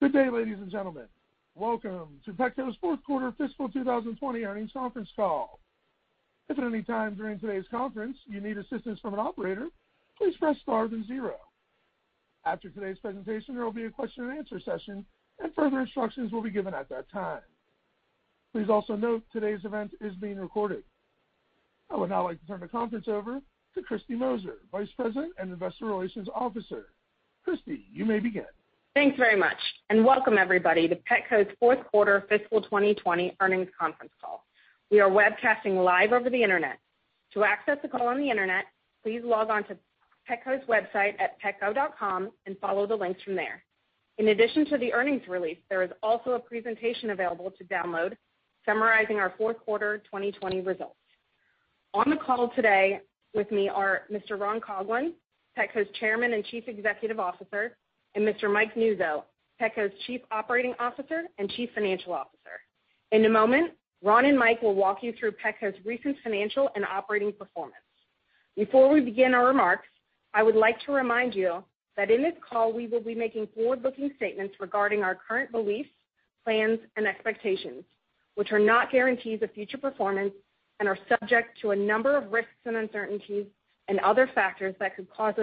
Good day, ladies and gentlemen. Welcome to Petco's Fourth Quarter Fiscal 2020 Earnings Conference Call. If at any time during today's conference you need assistance from an operator, please press star then zero. After today's presentation, there will be a question-and-answer session, and further instructions will be given at that time. Please also note today's event is being recorded. I would now like to turn the conference over to Kristy Moser, Vice President and Investor Relations Officer. Kristy, you may begin. Thanks very much, and welcome everybody to Petco's Fourth Quarter Fiscal 2020 Earnings Conference Call. We are webcasting live over the internet. To access the call on the internet, please log on to Petco's website at petco.com and follow the links from there. In addition to the earnings release, there is also a presentation available to download summarizing our fourth quarter 2020 results. On the call today with me are Mr. Ron Coughlin, Petco's Chairman and Chief Executive Officer, and Mr. Mike Nuzzo, Petco's Chief Operating Officer and Chief Financial Officer. In a moment, Ron and Mike will walk you through Petco's recent financial and operating performance. Before we begin our remarks, I would like to remind you that in this call we will be making forward-looking statements regarding our current beliefs, plans, and expectations, which are not guarantees of future performance and are subject to a number of risks and uncertainties and other factors that could cause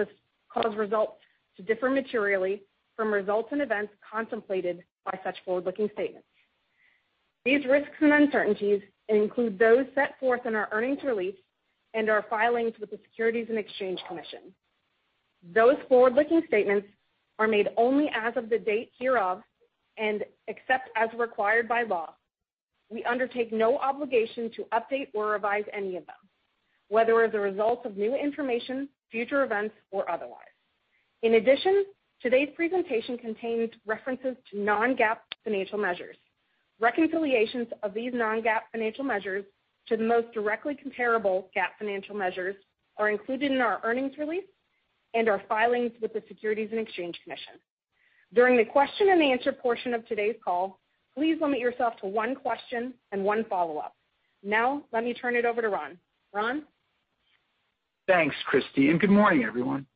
results to differ materially from results and events contemplated by such forward-looking statements. These risks and uncertainties include those set forth in our earnings release and our filings with the Securities and Exchange Commission. Those forward-looking statements are made only as of the date hereof and except as required by law. We undertake no obligation to update or revise any of them, whether as a result of new information, future events, or otherwise. In addition, today's presentation contains references to non-GAAP financial measures. Reconciliations of these non-GAAP financial measures to the most directly comparable GAAP financial measures are included in our earnings release and our filings with the U.S. Securities and Exchange Commission. During the question and answer portion of today's call, please limit yourself to one question and one follow-up. Now, let me turn it over to Ron. Ron? Thanks, Kristy, and good morning, everyone.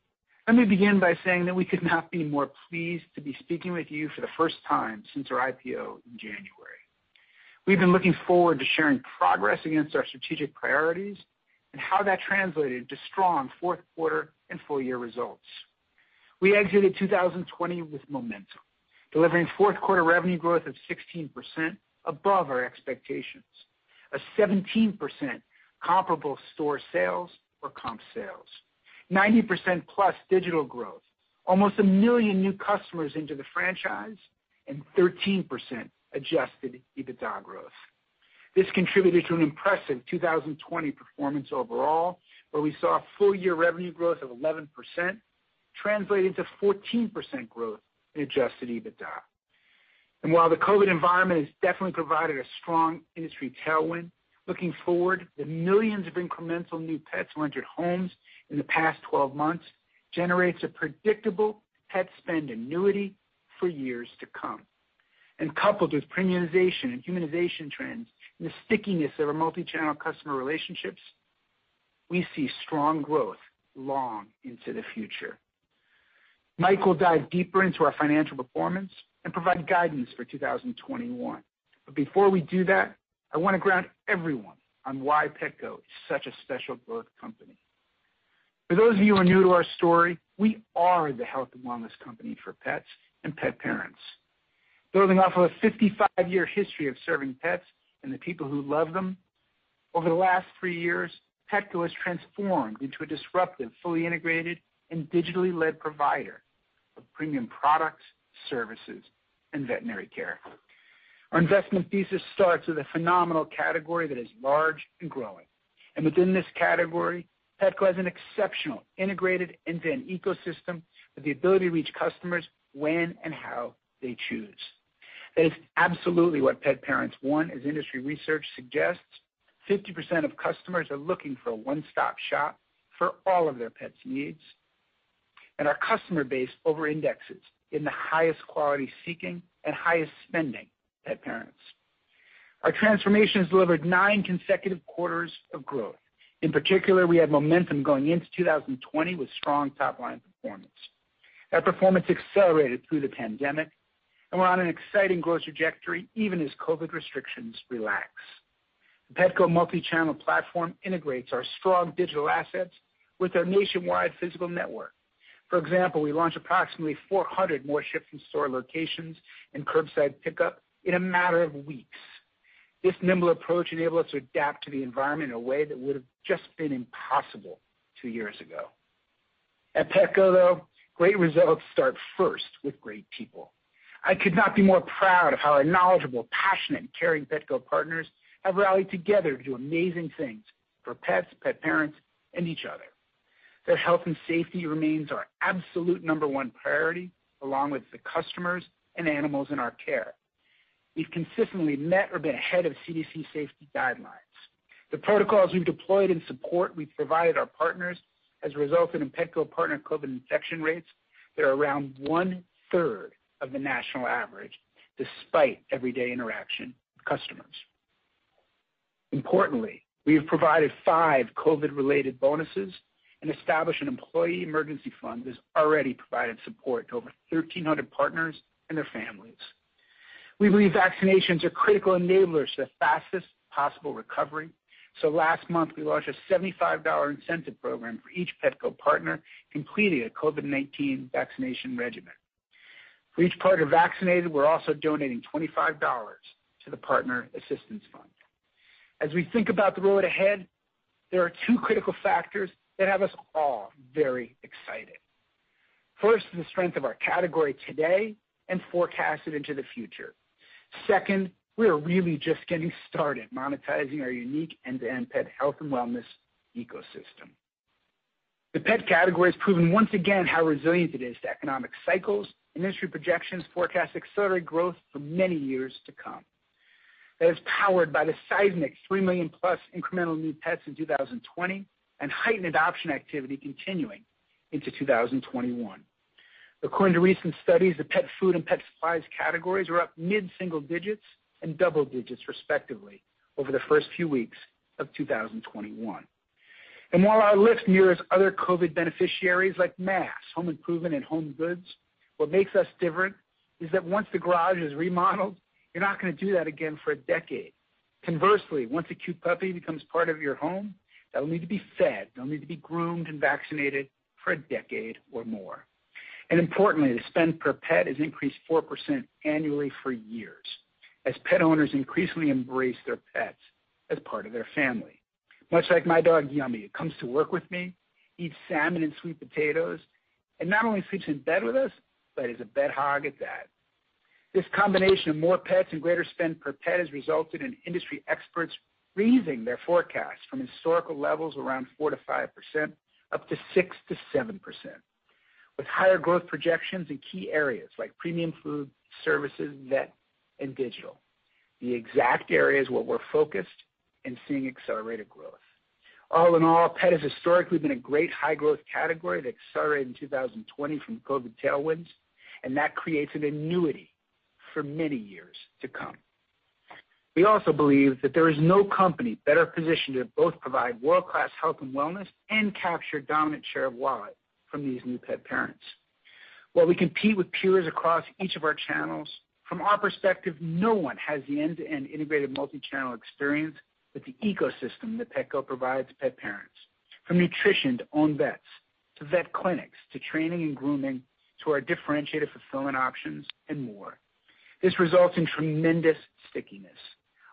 Let me begin by saying that we could not be more pleased to be speaking with you for the first time since our IPO in January. We've been looking forward to sharing progress against our strategic priorities and how that translated to strong fourth-quarter and full-year results. We exited 2020 with momentum, delivering fourth quarter revenue growth of 16% above our expectations, a 17% comparable store sales or comp sales, 90%+ digital growth, almost a million new customers into the franchise, and 13% adjusted EBITDA growth. This contributed to an impressive 2020 performance overall, where we saw full-year revenue growth of 11% translated to 14% growth in adjusted EBITDA. While the COVID environment has definitely provided a strong industry tailwind, looking forward, the millions of incremental new pets entered homes in the past 12 months generates a predictable pet spend annuity for years to come. Coupled with premiumization and humanization trends and the stickiness of our multi-channel customer relationships, we see strong growth long into the future. Mike will dive deeper into our financial performance and provide guidance for 2021. Before we do that, I want to ground everyone on why Petco is such a special growth company. For those of you who are new to our story, we are the health and wellness company for pets and pet parents. Building off of a 55-year history of serving pets and the people who love them, over the last three years, Petco has transformed into a disruptive, fully integrated, and digitally led provider of premium products, services, and veterinary care. Our investment thesis starts with a phenomenal category that is large and growing, and within this category, Petco has an exceptional integrated and then ecosystem with the ability to reach customers when and how they choose. That is absolutely what pet parents want, as industry research suggests. 50% of customers are looking for a one-stop shop for all of their pets' needs, and our customer base over-indexes in the highest quality-seeking and highest spending pet parents. Our transformation has delivered nine consecutive quarters of growth. In particular, we had momentum going into 2020 with strong top-line performance. That performance accelerated through the pandemic, and we're on an exciting growth trajectory even as COVID restrictions relax. Petco's multi-channel platform integrates our strong digital assets with our nationwide physical network. For example, we launched approximately 400 more ship-to-store locations and curbside pickup in a matter of weeks. This nimble approach enabled us to adapt to the environment in a way that would have just been impossible two years ago. At Petco, though, great results start first with great people. I could not be more proud of how our knowledgeable, passionate, and caring Petco partners have rallied together to do amazing things for pets, pet parents, and each other. Their health and safety remains our absolute number one priority, along with the customers and animals in our care. We've consistently met or been ahead of CDC safety guidelines. The protocols we've deployed in support we've provided our partners have resulted in Petco partner COVID infection rates that are around one-third of the national average, despite everyday interaction with customers. Importantly, we have provided five COVID-related bonuses and established an employee emergency fund that has already provided support to over 1,300 partners and their families. We believe vaccinations are critical enablers to the fastest possible recovery, so last month we launched a $75 incentive program for each Petco partner completing a COVID-19 vaccination regimen. For each partner vaccinated, we're also donating $25 to the Partner Assistance Fund. As we think about the road ahead, there are two critical factors that have us all very excited. First, the strength of our category today and forecast it into the future. Second, we are really just getting started monetizing our unique end-to-end pet health and wellness ecosystem. The pet category has proven once again how resilient it is to economic cycles and industry projections forecast accelerated growth for many years to come. That is powered by the seismic 3+ million incremental new pets in 2020 and heightened adoption activity continuing into 2021. According to recent studies, the pet food and pet supplies categories were up mid-single digits and double digits, respectively, over the first few weeks of 2021, and while our list mirrors other COVID beneficiaries like masks, home improvement, and home goods, what makes us different is that once the garage is remodeled, you're not going to do that again for a decade. Conversely, once a cute puppy becomes part of your home, that'll need to be fed, they'll need to be groomed and vaccinated for a decade or more. And importantly, the spend per pet has increased 4% annually for years as pet owners increasingly embrace their pets as part of their family. Much like my dog Yummy, who comes to work with me, eats salmon and sweet potatoes, and not only sleeps in bed with us, but is a bedhog at that. This combination of more pets and greater spend per pet has resulted in industry experts raising their forecasts from historical levels around 4%-5% up to 6%-7%, with higher growth projections in key areas like premium food, services, vet, and digital. The exact areas where we're focused and seeing accelerated growth. All in all, pet has historically been a great high-growth category that accelerated in 2020 from COVID tailwinds, and that creates an annuity for many years to come. We also believe that there is no company better positioned to both provide world-class health and wellness and capture a dominant share of wallet from these new pet parents. While we compete with peers across each of our channels, from our perspective, no one has the end-to-end integrated multi-channel experience that the ecosystem that Petco provides pet parents. From nutrition to own vets to vet clinics to training and grooming to our differentiated fulfillment options and more, this results in tremendous stickiness.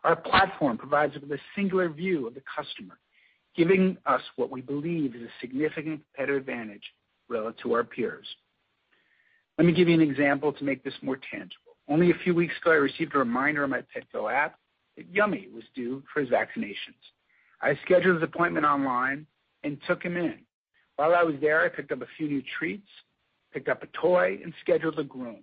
Our platform provides with a singular view of the customer, giving us what we believe is a significant competitive advantage relative to our peers. Let me give you an example to make this more tangible. Only a few weeks ago, I received a reminder on my Petco app that Yummy was due for his vaccinations. I scheduled his appointment online and took him in. While I was there, I picked up a few new treats, picked up a toy, and scheduled a groom.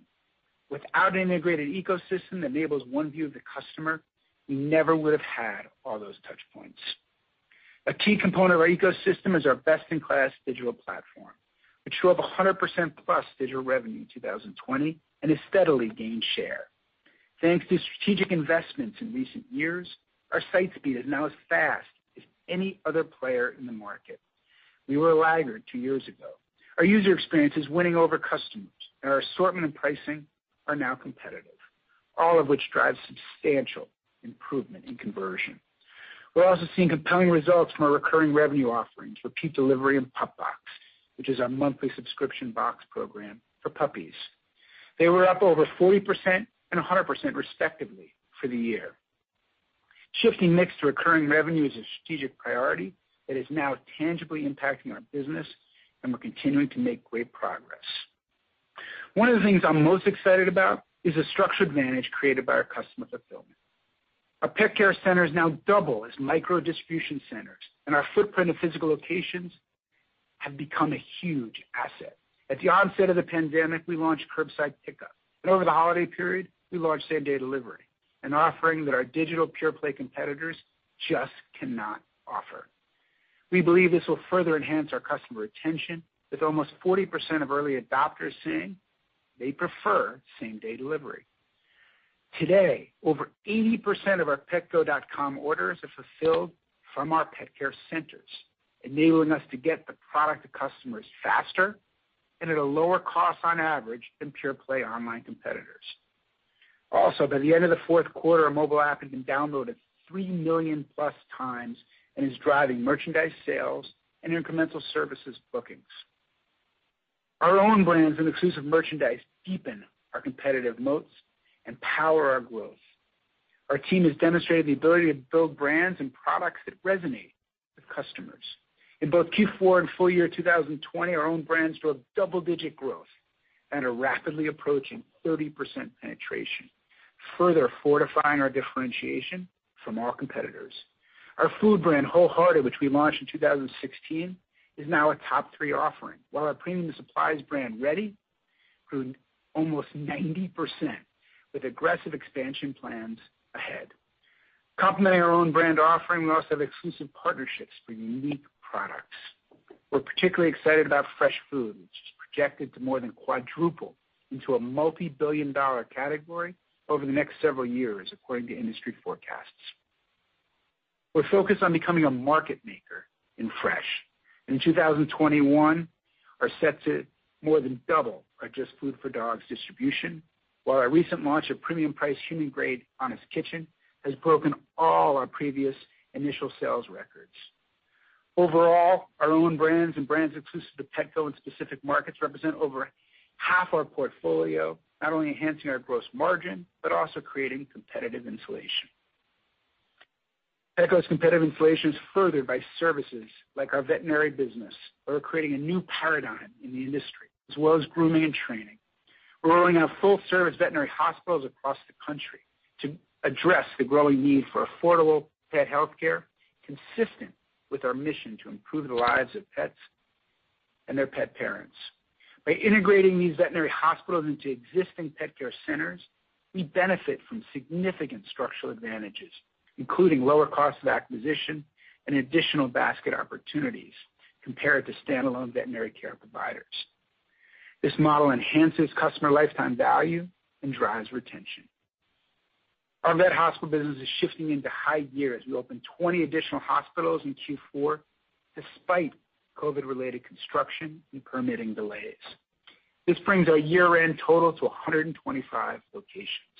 Without an integrated ecosystem that enables one view of the customer, we never would have had all those touch points. A key component of our ecosystem is our best-in-class digital platform, which drove 100%+ digital revenue in 2020 and has steadily gained share. Thanks to strategic investments in recent years, our site speed is now as fast as any other player in the market. We were laggard two years ago. Our user experience is winning over customers, and our assortment and pricing are now competitive, all of which drives substantial improvement in conversion. We're also seeing compelling results from our recurring revenue offerings for Repeat Delivery and PupBox, which is our monthly subscription box program for puppies. They were up over 40% and 100% respectively for the year. Shifting mix to recurring revenue is a strategic priority that is now tangibly impacting our business, and we're continuing to make great progress. One of the things I'm most excited about is the structured advantage created by our customer fulfillment. Our pet care centers now double as micro distribution centers, and our footprint of physical locations has become a huge asset. At the onset of the pandemic, we launched curbside pickup, and over the holiday period, we launched same-day delivery, an offering that our digital pure-play competitors just cannot offer. We believe this will further enhance our customer retention, with almost 40% of early adopters saying they prefer same-day delivery. Today, over 80% of our Petco.com orders are fulfilled from our pet care centers, enabling us to get the product to customers faster and at a lower cost on average than pure-play online competitors. Also, by the end of the fourth quarter, our mobile app has been downloaded 3+ million times and is driving merchandise sales and incremental services bookings. Our own brands and exclusive merchandise deepen our competitive moats and power our growth. Our team has demonstrated the ability to build brands and products that resonate with customers. In both Q4 and full-year 2020, our own brands drove double-digit growth and are rapidly approaching 30% penetration, further fortifying our differentiation from our competitors. Our food brand, WholeHearted, which we launched in 2016, is now a top-three offering, while our premium supplies brand, Reddy, grew almost 90% with aggressive expansion plans ahead. Complementing our own brand offering, we also have exclusive partnerships for unique products. We're particularly excited about fresh food, which is projected to more than quadruple into a multi-billion-dollar category over the next several years, according to industry forecasts. We're focused on becoming a market maker in fresh. In 2021, we are set to more than double our JustFoodForDogs distribution, while our recent launch of premium-priced human-grade Honest Kitchen has broken all our previous initial sales records. Overall, our own brands and brands exclusive to Petco and specific markets represent over half our portfolio, not only enhancing our gross margin but also creating competitive insulation. Petco's competitive insulation is furthered by services like our veterinary business, where we're creating a new paradigm in the industry, as well as grooming and training. We're rolling out full-service veterinary hospitals across the country to address the growing need for affordable pet healthcare, consistent with our mission to improve the lives of pets and their pet parents. By integrating these veterinary hospitals into existing pet care centers, we benefit from significant structural advantages, including lower cost of acquisition and additional basket opportunities compared to standalone veterinary care providers. This model enhances customer lifetime value and drives retention. Our vet hospital business is shifting into high gear as we open 20 additional hospitals in Q4, despite COVID-related construction and permitting delays. This brings our year-end total to 125 locations.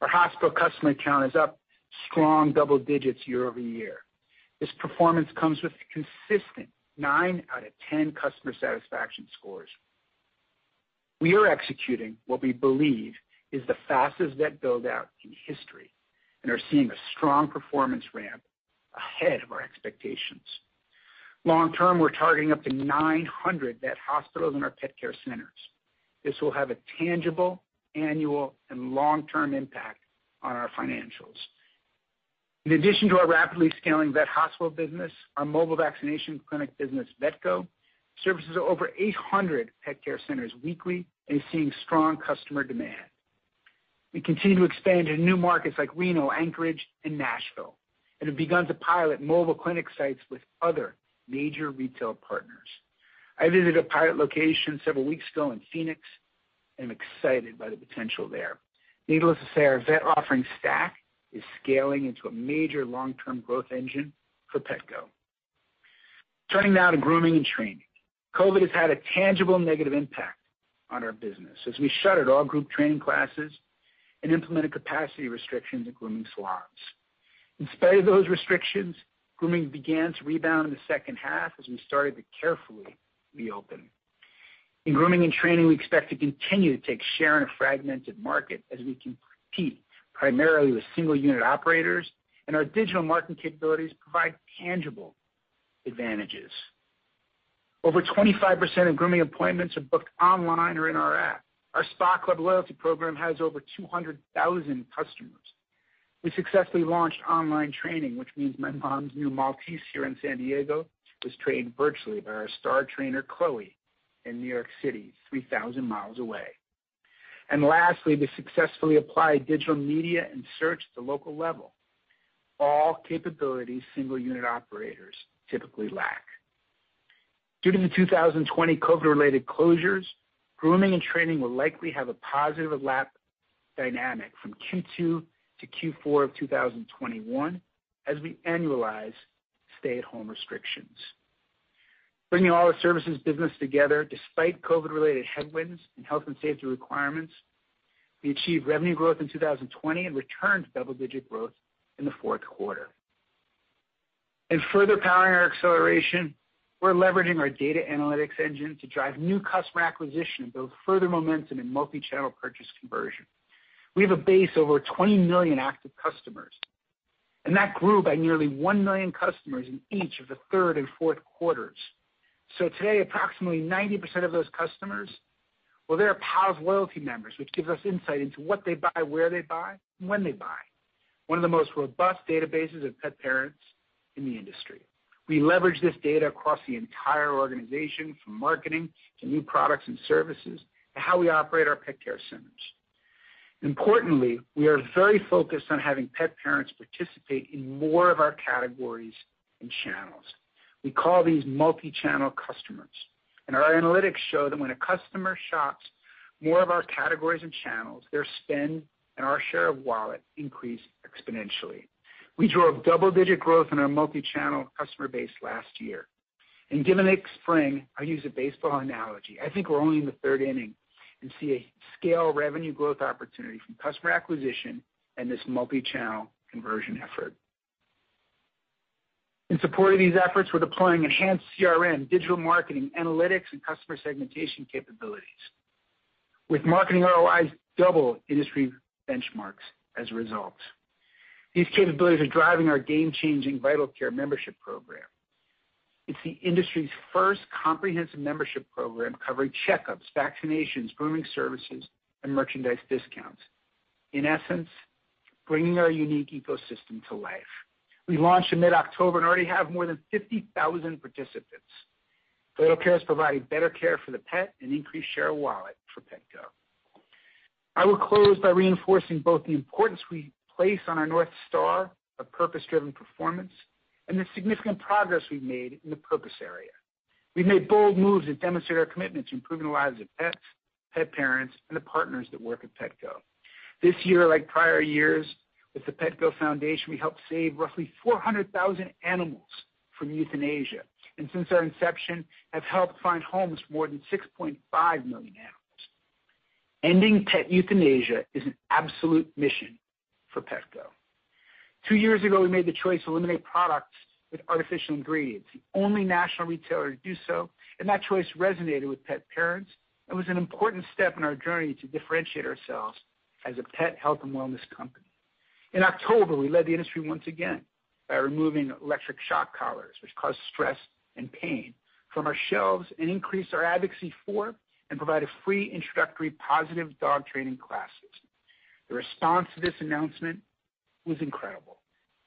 Our hospital customer count is up strong double digits year over year. This performance comes with consistent nine out of 10 customer satisfaction scores. We are executing what we believe is the fastest vet buildout in history and are seeing a strong performance ramp ahead of our expectations. Long-term, we're targeting up to 900 vet hospitals in our pet care centers. This will have a tangible annual and long-term impact on our financials. In addition to our rapidly scaling vet hospital business, our mobile vaccination clinic business, Vetco, services over 800 pet care centers weekly and is seeing strong customer demand. We continue to expand into new markets like Reno, Anchorage, and Nashville, and have begun to pilot mobile clinic sites with other major retail partners. I visited a pilot location several weeks ago in Phoenix, and I'm excited by the potential there. Needless to say, our vet offering stack is scaling into a major long-term growth engine for Petco. Turning now to grooming and training. COVID has had a tangible negative impact on our business as we shuttered all group training classes and implemented capacity restrictions in grooming salons. In spite of those restrictions, grooming began to rebound in the second half as we started to carefully reopen. In grooming and training, we expect to continue to take share in a fragmented market as we compete primarily with single-unit operators, and our digital marketing capabilities provide tangible advantages. Over 25% of grooming appointments are booked online or in our app. Our Spa Club loyalty program has over 200,000 customers. We successfully launched online training, which means my mom's new Maltese here in San Diego is trained virtually by our star trainer, Chloe, in New York City, 3,000 miles away. And lastly, we successfully applied digital media and search at the local level, all capabilities single-unit operators typically lack. Due to the 2020 COVID-related closures, grooming and training will likely have a positive lap dynamic from Q2 to Q4 of 2021 as we annualize stay-at-home restrictions. Bringing all our services business together, despite COVID-related headwinds and health and safety requirements, we achieved revenue growth in 2020 and returned double-digit growth in the fourth quarter. In further powering our acceleration, we're leveraging our data analytics engine to drive new customer acquisition and build further momentum in multi-channel purchase conversion. We have a base of over 20 million active customers, and that grew by nearly 1 million customers in each of the third and fourth quarters. So today, approximately 90% of those customers are Pals loyalty members, which gives us insight into what they buy, where they buy, and when they buy, one of the most robust databases of pet parents in the industry. We leverage this data across the entire organization, from marketing to new products and services to how we operate our pet care centers. Importantly, we are very focused on having pet parents participate in more of our categories and channels. We call these multi-channel customers, and our analytics show that when a customer shops more of our categories and channels, their spend and our share of wallet increase exponentially. We drove double-digit growth in our multi-channel customer base last year, and given the spring, I'll use a baseball analogy. I think we're only in the third inning and see a scale revenue growth opportunity from customer acquisition and this multi-channel conversion effort. In support of these efforts, we're deploying enhanced CRM, digital marketing, analytics, and customer segmentation capabilities, with marketing ROIs double industry benchmarks as a result. These capabilities are driving our game-changing Vital Care membership program. It's the industry's first comprehensive membership program covering checkups, vaccinations, grooming services, and merchandise discounts. In essence, bringing our unique ecosystem to life. We launched in mid-October and already have more than 50,000 participants. Vital Care is providing better care for the pet and increased share of wallet for Petco. I will close by reinforcing both the importance we place on our North Star of purpose-driven performance and the significant progress we've made in the purpose area. We've made bold moves to demonstrate our commitment to improving the lives of pets, pet parents, and the partners that work at Petco. This year, like prior years, with the Petco Foundation, we helped save roughly 400,000 animals from euthanasia, and since our inception, have helped find homes for more than 6.5 million animals. Ending pet euthanasia is an absolute mission for Petco. Two years ago, we made the choice to eliminate products with artificial ingredients, the only national retailer to do so, and that choice resonated with pet parents and was an important step in our journey to differentiate ourselves as a pet health and wellness company. In October, we led the industry once again by removing electric shock collars, which caused stress and pain from our shelves and increased our advocacy for and provided free introductory positive dog training classes. The response to this announcement was incredible.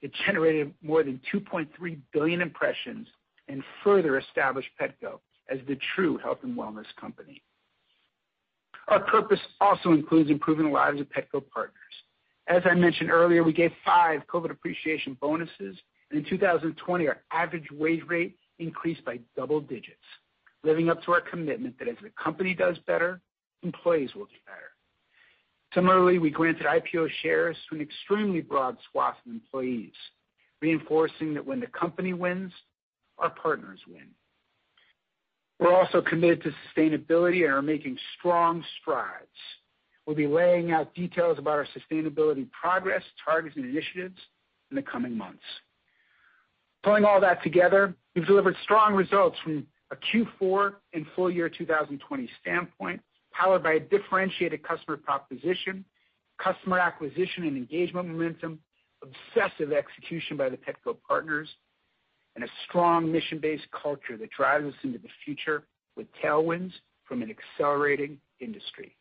It generated more than 2.3 billion impressions and further established Petco as the true health and wellness company. Our purpose also includes improving the lives of Petco partners. As I mentioned earlier, we gave five COVID appreciation bonuses, and in 2020, our average wage rate increased by double digits, living up to our commitment that as the company does better, employees will do better. Similarly, we granted IPO shares to an extremely broad swath of employees, reinforcing that when the company wins, our partners win. We're also committed to sustainability and are making strong strides. We'll be laying out details about our sustainability progress, targets, and initiatives in the coming months. Pulling all that together, we've delivered strong results from a Q4 and full-year 2020 standpoint, powered by a differentiated customer proposition, customer acquisition and engagement momentum, obsessive execution by the Petco partners, and a strong mission-based culture that drives us into the future with tailwinds from an accelerating industry.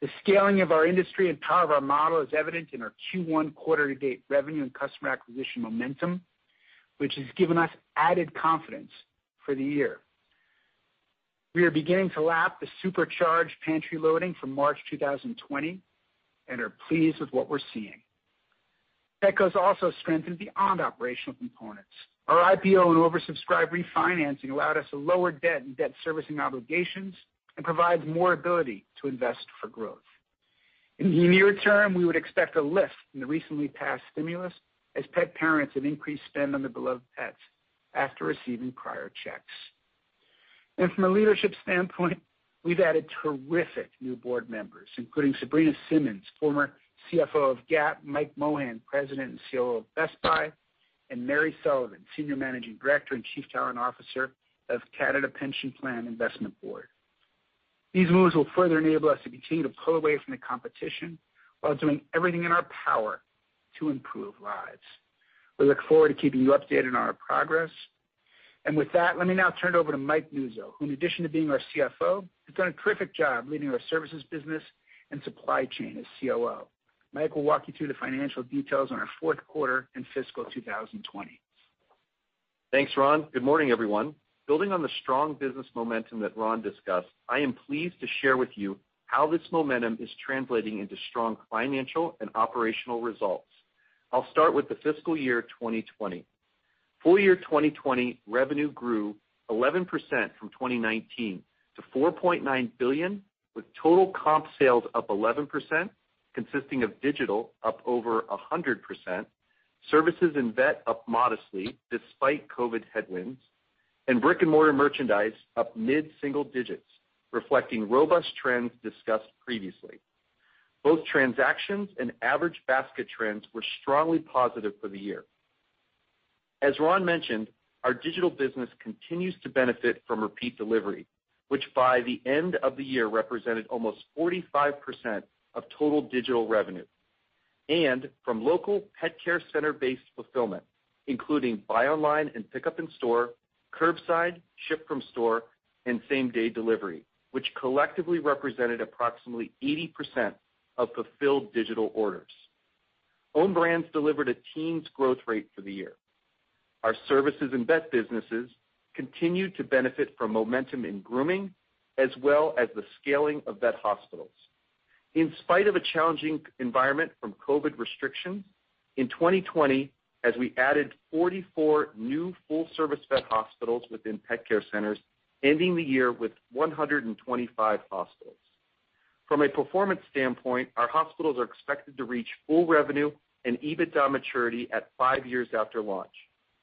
The scaling of our industry and power of our model is evident in our Q1 quarter-to-date revenue and customer acquisition momentum, which has given us added confidence for the year. We are beginning to lap the supercharged pantry loading from March 2020 and are pleased with what we're seeing. Petco's also strengthened beyond operational components. Our IPO and oversubscribed refinancing allowed us to lower debt and debt servicing obligations and provides more ability to invest for growth. In the near term, we would expect a lift in the recently passed stimulus as pet parents have increased spend on their beloved pets after receiving prior checks. From a leadership standpoint, we've added terrific new board members, including Sabrina Simmons, former CFO of Gap, Mike Mohan, President and COO of Best Buy, and Mary Sullivan, Senior Managing Director and Chief Talent Officer of Canada Pension Plan Investment Board. These moves will further enable us to continue to pull away from the competition while doing everything in our power to improve lives. We look forward to keeping you updated on our progress. And with that, let me now turn it over to Mike Nuzzo, who, in addition to being our CFO, has done a terrific job leading our services business and supply chain as COO. Mike will walk you through the financial details on our fourth quarter and fiscal 2020. Thanks, Ron. Good morning, everyone. Building on the strong business momentum that Ron discussed, I am pleased to share with you how this momentum is translating into strong financial and operational results. I'll start with the fiscal year 2020. Full year 2020 revenue grew 11% from 2019 to $4.9 billion, with total comp sales up 11%, consisting of digital up over 100%, services and vet up modestly despite COVID headwinds, and brick-and-mortar merchandise up mid-single digits, reflecting robust trends discussed previously. Both transactions and average basket trends were strongly positive for the year. As Ron mentioned, our digital business continues to benefit from Repeat Delivery, which by the end of the year represented almost 45% of total digital revenue, and from local pet care center-based fulfillment, including buy online and pick up in store, curbside, ship from store, and same-day delivery, which collectively represented approximately 80% of fulfilled digital orders. Own brands delivered a teens growth rate for the year. Our services and vet businesses continued to benefit from momentum in grooming, as well as the scaling of vet hospitals. In spite of a challenging environment from COVID restrictions, in 2020, as we added 44 new full-service vet hospitals within pet care centers, ending the year with 125 hospitals. From a performance standpoint, our hospitals are expected to reach full revenue and EBITDA maturity at five years after launch.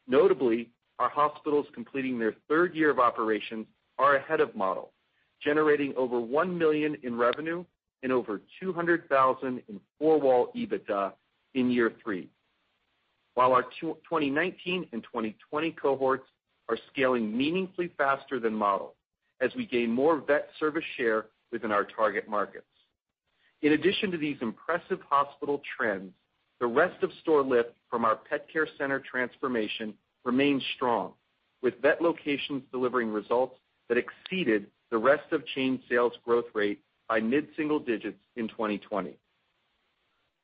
Notably, our hospitals completing their third year of operations are ahead of model, generating over $1 million in revenue and over $200,000 in four-wall EBITDA in year three, while our 2019 and 2020 cohorts are scaling meaningfully faster than model as we gain more vet service share within our target markets. In addition to these impressive hospital trends, the rest of store lift from our pet care center transformation remains strong, with vet locations delivering results that exceeded the rest of chain sales growth rate by mid-single digits in 2020.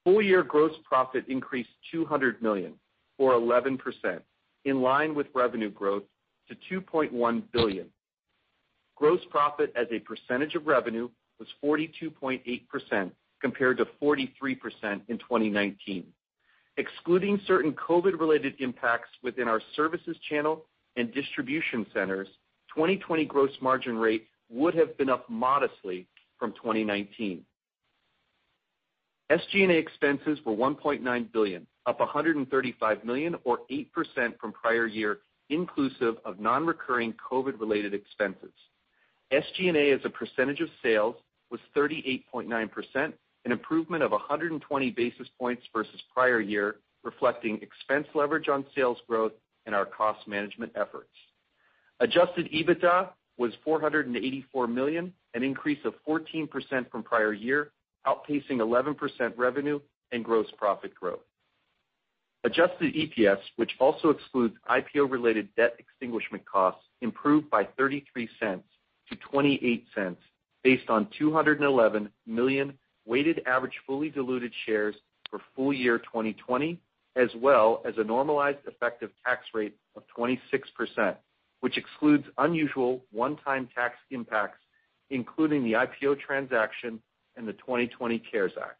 Full year gross profit increased $200 million or 11%, in line with revenue growth to $2.1 billion. Gross profit as a percentage of revenue was 42.8% compared to 43% in 2019. Excluding certain COVID-related impacts within our services channel and distribution centers, 2020 gross margin rate would have been up modestly from 2019. SG&A expenses were $1.9 billion, up $135 million or 8% from prior year, inclusive of non-recurring COVID-related expenses. SG&A as a percentage of sales was 38.9%, an improvement of 120 basis points versus prior year, reflecting expense leverage on sales growth and our cost management efforts. Adjusted EBITDA was $484 million, an increase of 14% from prior year, outpacing 11% revenue and gross profit growth. Adjusted EPS, which also excludes IPO-related debt extinguishment costs, improved by $0.33 to $0.28 based on 211 million weighted average fully diluted shares for full year 2020, as well as a normalized effective tax rate of 26%, which excludes unusual one-time tax impacts, including the IPO transaction and the 2020 CARES Act.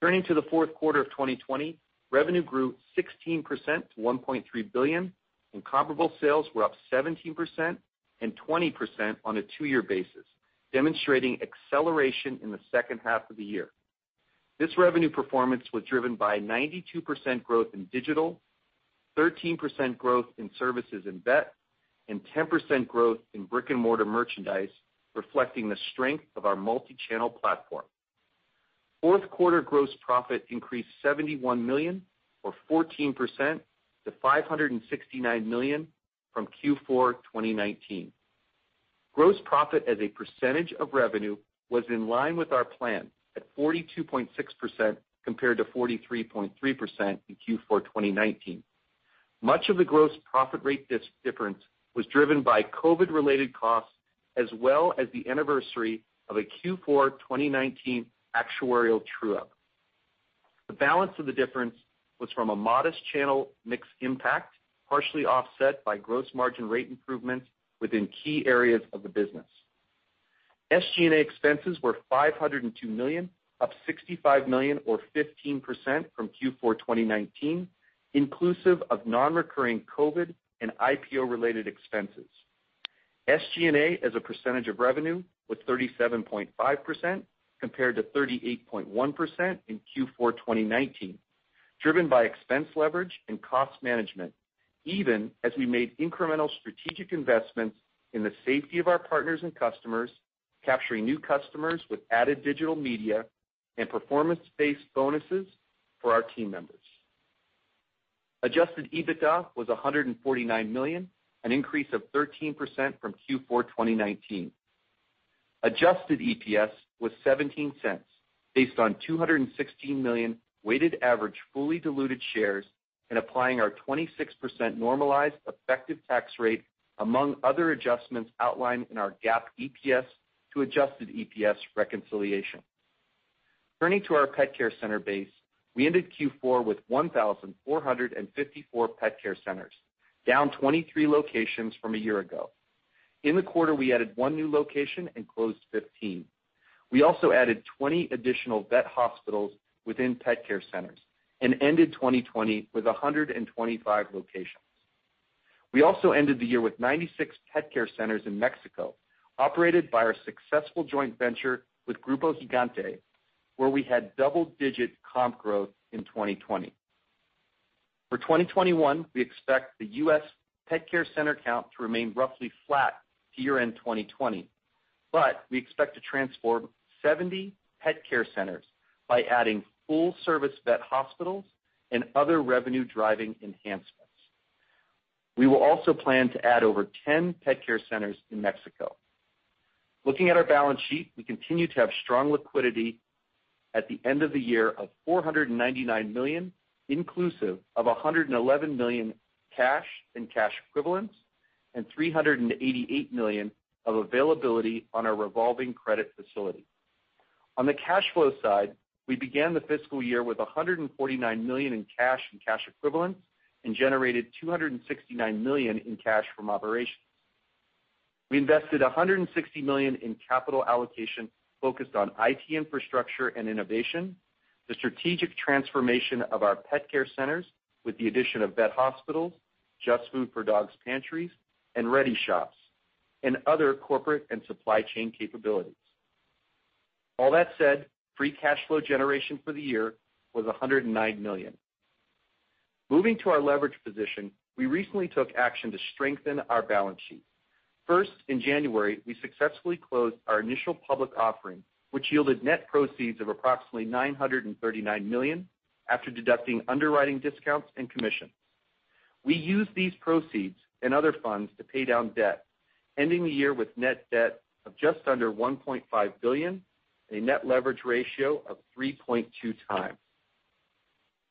Turning to the fourth quarter of 2020, revenue grew 16% to $1.3 billion, and comparable sales were up 17% and 20% on a two-year basis, demonstrating acceleration in the second half of the year. This revenue performance was driven by 92% growth in digital, 13% growth in services and vet, and 10% growth in brick-and-mortar merchandise, reflecting the strength of our multi-channel platform. Fourth quarter gross profit increased $71 million or 14% to $569 million from Q4 2019. Gross profit as a percentage of revenue was in line with our plan at 42.6% compared to 43.3% in Q4 2019. Much of the gross profit rate difference was driven by COVID-related costs, as well as the anniversary of a Q4 2019 actuarial true-up. The balance of the difference was from a modest channel mix impact, partially offset by gross margin rate improvements within key areas of the business. SG&A expenses were $502 million, up $65 million or 15% from Q4 2019, inclusive of non-recurring COVID and IPO-related expenses. SG&A as a percentage of revenue was 37.5% compared to 38.1% in Q4 2019, driven by expense leverage and cost management, even as we made incremental strategic investments in the safety of our partners and customers, capturing new customers with added digital media and performance-based bonuses for our team members. Adjusted EBITDA was $149 million, an increase of 13% from Q4 2019. Adjusted EPS was $0.17 based on 216 million weighted average fully diluted shares and applying our 26% normalized effective tax rate, among other adjustments outlined in our GAAP EPS to adjusted EPS reconciliation. Turning to our pet care center base, we ended Q4 with 1,454 pet care centers, down 23 locations from a year ago. In the quarter, we added one new location and closed 15. We also added 20 additional vet hospitals within pet care centers and ended 2020 with 125 locations. We also ended the year with 96 pet care centers in Mexico, operated by our successful joint venture with Grupo Gigante, where we had double-digit comp growth in 2020. For 2021, we expect the U.S. pet care center count to remain roughly flat to year-end 2020, but we expect to transform 70 pet care centers by adding full-service vet hospitals and other revenue-driving enhancements. We will also plan to add over 10 pet care centers in Mexico. Looking at our balance sheet, we continue to have strong liquidity at the end of the year of $499 million, inclusive of $111 million cash and cash equivalents, and $388 million of availability on our revolving credit facility. On the cash flow side, we began the fiscal year with $149 million in cash and cash equivalents and generated $269 million in cash from operations. We invested $160 million in capital allocation focused on IT infrastructure and innovation, the strategic transformation of our pet care centers with the addition of vet hospitals, JustFoodForDogs pantries, and Reddy shops, and other corporate and supply chain capabilities. All that said, free cash flow generation for the year was $109 million. Moving to our leverage position, we recently took action to strengthen our balance sheet. First, in January, we successfully closed our initial public offering, which yielded net proceeds of approximately $939 million after deducting underwriting discounts and commissions. We used these proceeds and other funds to pay down debt, ending the year with net debt of just under $1.5 billion, a net leverage ratio of 3.2 times.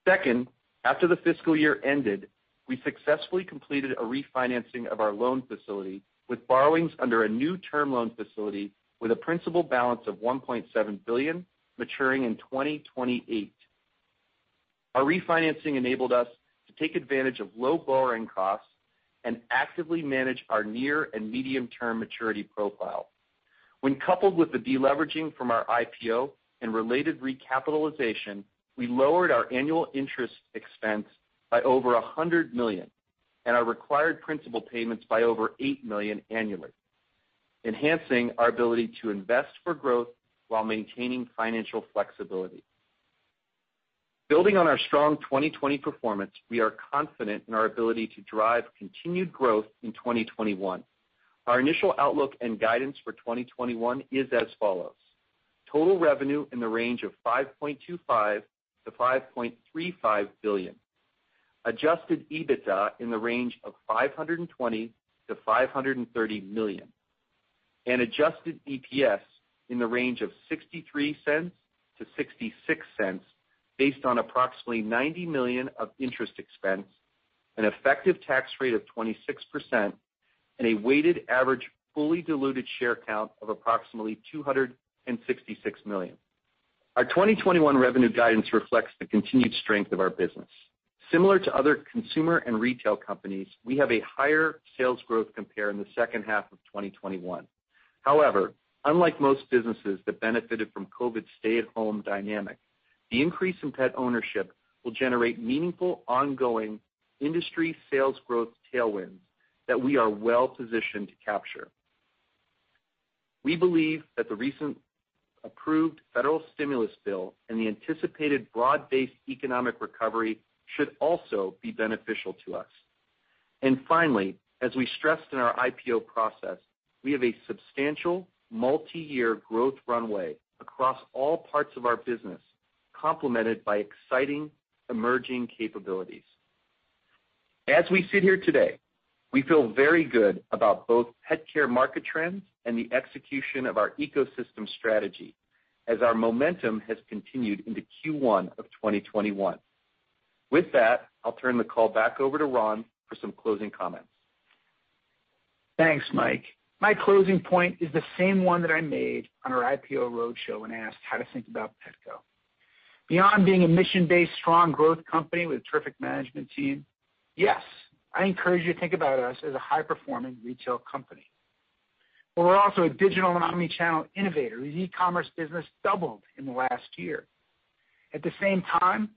Second, after the fiscal year ended, we successfully completed a refinancing of our loan facility with borrowings under a new term loan facility with a principal balance of $1.7 billion, maturing in 2028. Our refinancing enabled us to take advantage of low borrowing costs and actively manage our near and medium-term maturity profile. When coupled with the deleveraging from our IPO and related recapitalization, we lowered our annual interest expense by over $100 million and our required principal payments by over $8 million annually, enhancing our ability to invest for growth while maintaining financial flexibility. Building on our strong 2020 performance, we are confident in our ability to drive continued growth in 2021. Our initial outlook and guidance for 2021 is as follows: total revenue in the range of $5.25 billion-$5.35 billion, adjusted EBITDA in the range of $520 million-$530 million, and adjusted EPS in the range of $0.63-$0.66 based on approximately $90 million of interest expense, an effective tax rate of 26%, and a weighted average fully diluted share count of approximately 266 million. Our 2021 revenue guidance reflects the continued strength of our business. Similar to other consumer and retail companies, we have a higher sales growth compared in the second half of 2021. However, unlike most businesses that benefited from COVID stay-at-home dynamic, the increase in pet ownership will generate meaningful ongoing industry sales growth tailwinds that we are well positioned to capture. We believe that the recent approved federal stimulus bill and the anticipated broad-based economic recovery should also be beneficial to us. Finally, as we stressed in our IPO process, we have a substantial multi-year growth runway across all parts of our business, complemented by exciting emerging capabilities. As we sit here today, we feel very good about both pet care market trends and the execution of our ecosystem strategy as our momentum has continued into Q1 of 2021. With that, I'll turn the call back over to Ron for some closing comments. Thanks, Mike. My closing point is the same one that I made on our IPO roadshow when I asked how to think about Petco. Beyond being a mission-based, strong growth company with a terrific management team, yes, I encourage you to think about us as a high-performing retail company. We're also a digital omnichannel innovator whose e-commerce business doubled in the last year. At the same time,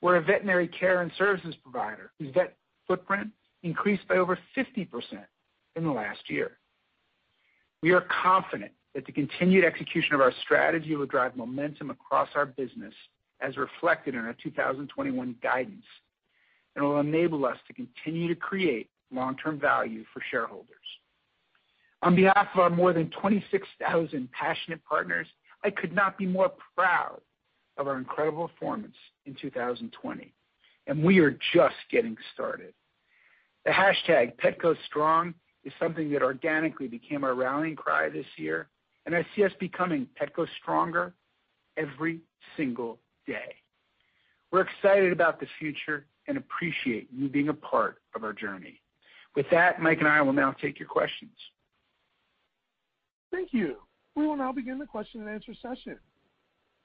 we're a veterinary care and services provider whose vet footprint increased by over 50% in the last year. We are confident that the continued execution of our strategy will drive momentum across our business, as reflected in our 2021 guidance, and will enable us to continue to create long-term value for shareholders. On behalf of our more than 26,000 passionate partners, I could not be more proud of our incredible performance in 2020, and we are just getting started. The #PetcoStrong is something that organically became our rallying cry this year, and I see us becoming Petco Stronger every single day. We're excited about the future and appreciate you being a part of our journey. With that, Mike and I will now take your questions. Thank you. We will now begin the question and answer session.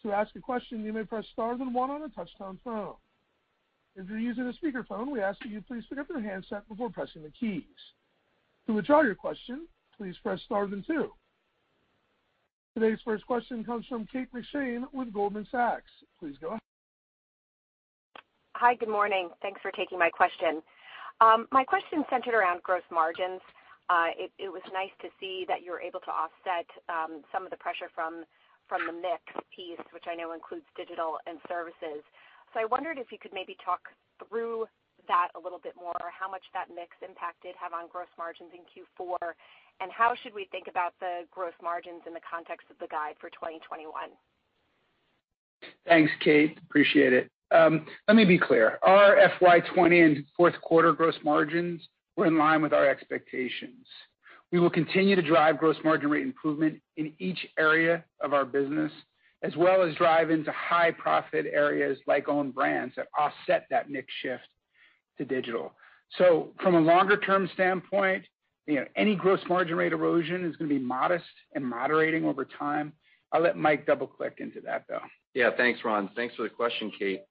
To ask a question, you may press star then one on a touch-tone phone. If you're using a speakerphone, we ask that you please pick up your handset before pressing the keys. To withdraw your question, please press star then two. Today's first question comes from Kate McShane with Goldman Sachs. Please go ahead. Hi, good morning. Thanks for taking my question. My question centered around gross margins. It was nice to see that you were able to offset some of the pressure from the mix piece, which I know includes digital and services. So I wondered if you could maybe talk through that a little bit more, how much that mix impact did have on gross margins in Q4, and how should we think about the gross margins in the context of the guide for 2021? Thanks, Kate. Appreciate it. Let me be clear. Our FY20 and fourth quarter gross margins were in line with our expectations. We will continue to drive gross margin rate improvement in each area of our business, as well as drive into high-profit areas like owned brands that offset that mix shift to digital. So from a longer-term standpoint, any gross margin rate erosion is going to be modest and moderating over time. I'll let Mike double-click into that, though. Yeah, thanks, Ron. Thanks for the question, Kate.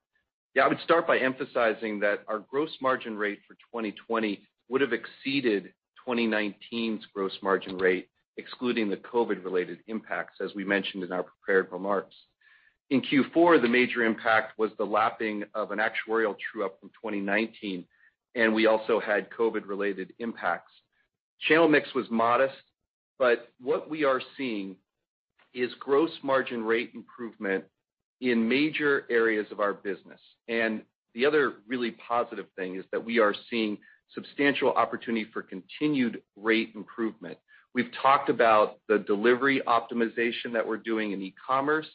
Yeah, I would start by emphasizing that our gross margin rate for 2020 would have exceeded 2019's gross margin rate, excluding the COVID-related impacts, as we mentioned in our prepared remarks. In Q4, the major impact was the lapping of an actuarial true-up from 2019, and we also had COVID-related impacts. Channel mix was modest, but what we are seeing is gross margin rate improvement in major areas of our business. And the other really positive thing is that we are seeing substantial opportunity for continued rate improvement. We've talked about the delivery optimization that we're doing in e-commerce,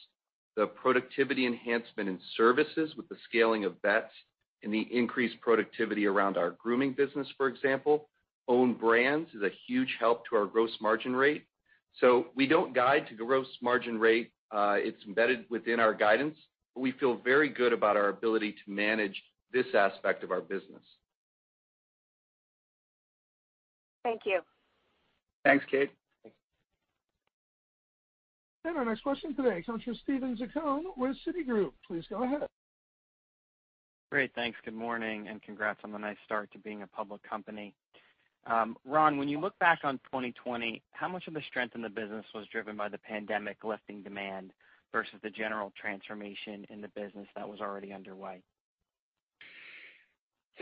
the productivity enhancement in services with the scaling of vets and the increased productivity around our grooming business, for example. Owned brands is a huge help to our gross margin rate. So we don't guide to gross margin rate. It's embedded within our guidance, but we feel very good about our ability to manage this aspect of our business. Thank you. Thanks, Kate. And our next question today comes from Steven Zaccone with Citigroup. Please go ahead. Great. Thanks. Good morning and congrats on the nice start to being a public company. Ron, when you look back on 2020, how much of the strength in the business was driven by the pandemic lifting demand versus the general transformation in the business that was already underway?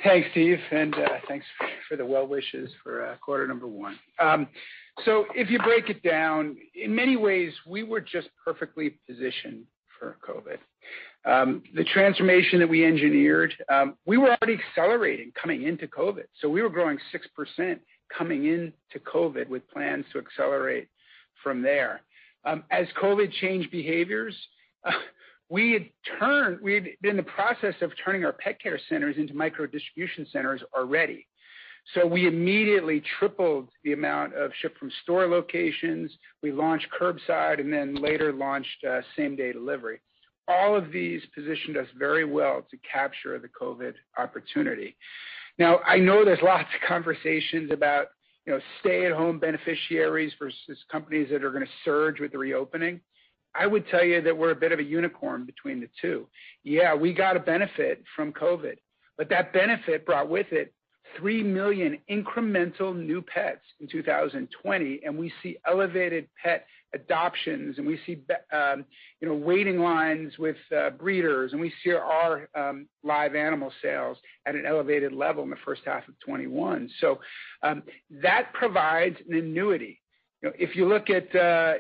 Thanks, Steve, and thanks for the well wishes for quarter number one. So if you break it down, in many ways, we were just perfectly positioned for COVID. The transformation that we engineered, we were already accelerating coming into COVID. So we were growing 6% coming into COVID with plans to accelerate from there. As COVID changed behaviors, we had been in the process of turning our pet care centers into micro distribution centers already. So we immediately tripled the amount of ship-from-store locations. We launched curbside and then later launched same-day delivery. All of these positioned us very well to capture the COVID opportunity. Now, I know there's lots of conversations about stay-at-home beneficiaries versus companies that are going to surge with the reopening. I would tell you that we're a bit of a unicorn between the two. Yeah, we got a benefit from COVID, but that benefit brought with it 3 million incremental new pets in 2020, and we see elevated pet adoptions, and we see waiting lines with breeders, and we see our live animal sales at an elevated level in the first half of 2021. So that provides an annuity. If you look at a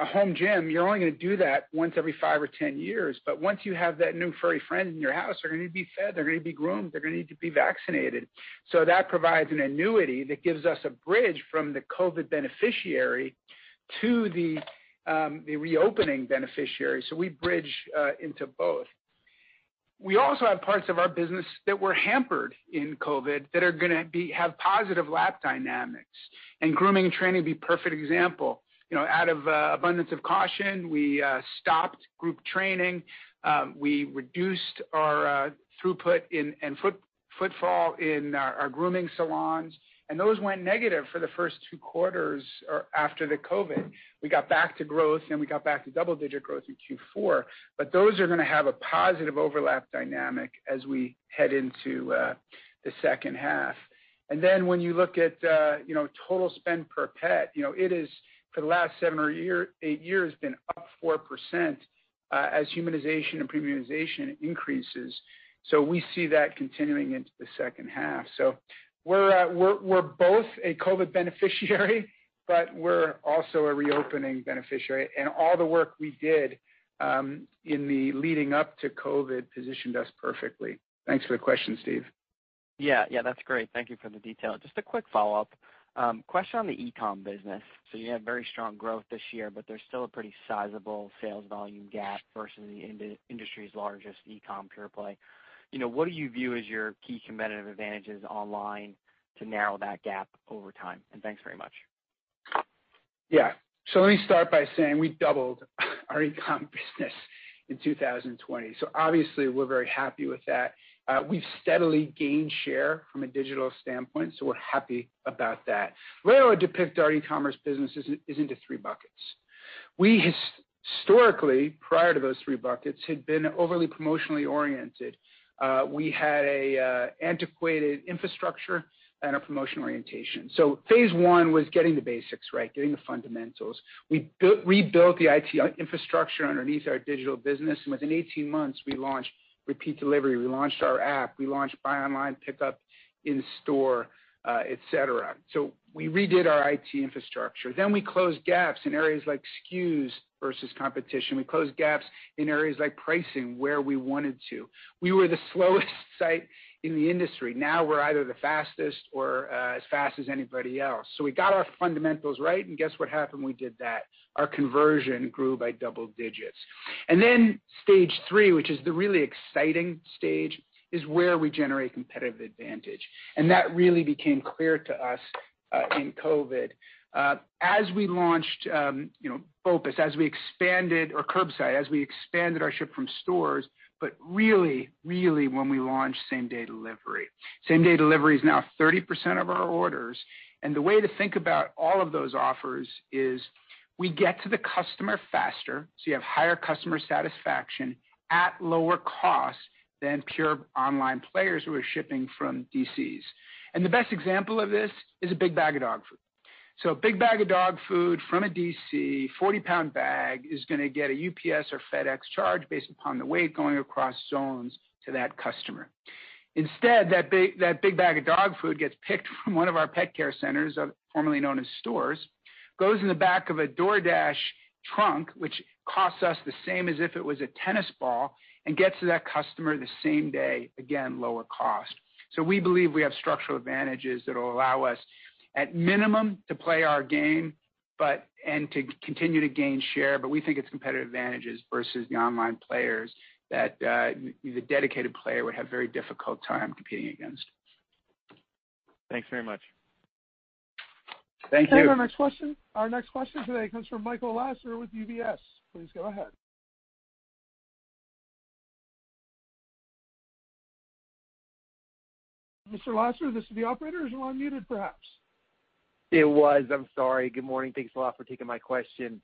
home gym, you're only going to do that once every five or ten years, but once you have that new furry friend in your house, they're going to be fed, they're going to be groomed, they're going to need to be vaccinated. So that provides an annuity that gives us a bridge from the COVID beneficiary to the reopening beneficiary. So we bridge into both. We also have parts of our business that were hampered in COVID that are going to have positive lap dynamics, and grooming and training would be a perfect example. Out of abundance of caution, we stopped group training. We reduced our throughput and footfall in our grooming salons, and those went negative for the first two quarters after the COVID. We got back to growth, and we got back to double-digit growth in Q4, but those are going to have a positive overlap dynamic as we head into the second half. Then when you look at total spend per pet, it has, for the last seven or eight years, been up 4% as humanization and premiumization increases. So we see that continuing into the second half. So we're both a COVID beneficiary, but we're also a reopening beneficiary, and all the work we did in the leading up to COVID positioned us perfectly. Thanks for the question, Steve. Yeah, yeah, that's great. Thank you for the detail. Just a quick follow-up question on the e-com business. So you have very strong growth this year, but there's still a pretty sizable sales volume gap versus the industry's largest e-com pure play. What do you view as your key competitive advantages online to narrow that gap over time? And thanks very much. Yeah. So let me start by saying we doubled our e-com business in 2020. So obviously, we're very happy with that. We've steadily gained share from a digital standpoint, so we're happy about that. The way I would depict our e-commerce business is into three buckets. We historically, prior to those three buckets, had been overly promotionally oriented. We had an antiquated infrastructure and a promotion orientation. So phase one was getting the basics, right, getting the fundamentals. We rebuilt the IT infrastructure underneath our digital business, and within 18 months, we launched Repeat Delivery. We launched our app. We launched buy online, pick up in store, etc. So we redid our IT infrastructure. Then we closed gaps in areas like SKUs versus competition. We closed gaps in areas like pricing where we wanted to. We were the slowest site in the industry. Now we're either the fastest or as fast as anybody else. So we got our fundamentals right, and guess what happened? We did that. Our conversion grew by double digits. And then stage three, which is the really exciting stage, is where we generate competitive advantage. And that really became clear to us in COVID as we launched BOPUS, as we expanded our curbside, as we expanded our ship from stores, but really, really when we launched same-day delivery. Same-day delivery is now 30% of our orders. And the way to think about all of those offers is we get to the customer faster, so you have higher customer satisfaction at lower cost than pure online players who are shipping from DCs. And the best example of this is a big bag of dog food. So a big bag of dog food from a DC, 40 lbs bag, is going to get a UPS or FedEx charge based upon the weight going across zones to that customer. Instead, that big bag of dog food gets picked from one of our pet care centers, formerly known as stores, goes in the back of a DoorDash truck, which costs us the same as if it was a tennis ball, and gets to that customer the same day, again, lower cost. So we believe we have structural advantages that will allow us, at minimum, to play our game and to continue to gain share, but we think it's competitive advantages versus the online players that the dedicated player would have a very difficult time competing against. Thanks very much. Thank you. Our next question today comes from Michael Lasser with UBS. Please go ahead. Mr. Lasser, this is the operator. Is Ron muted, perhaps? It was. I'm sorry. Good morning. Thanks a lot for taking my question.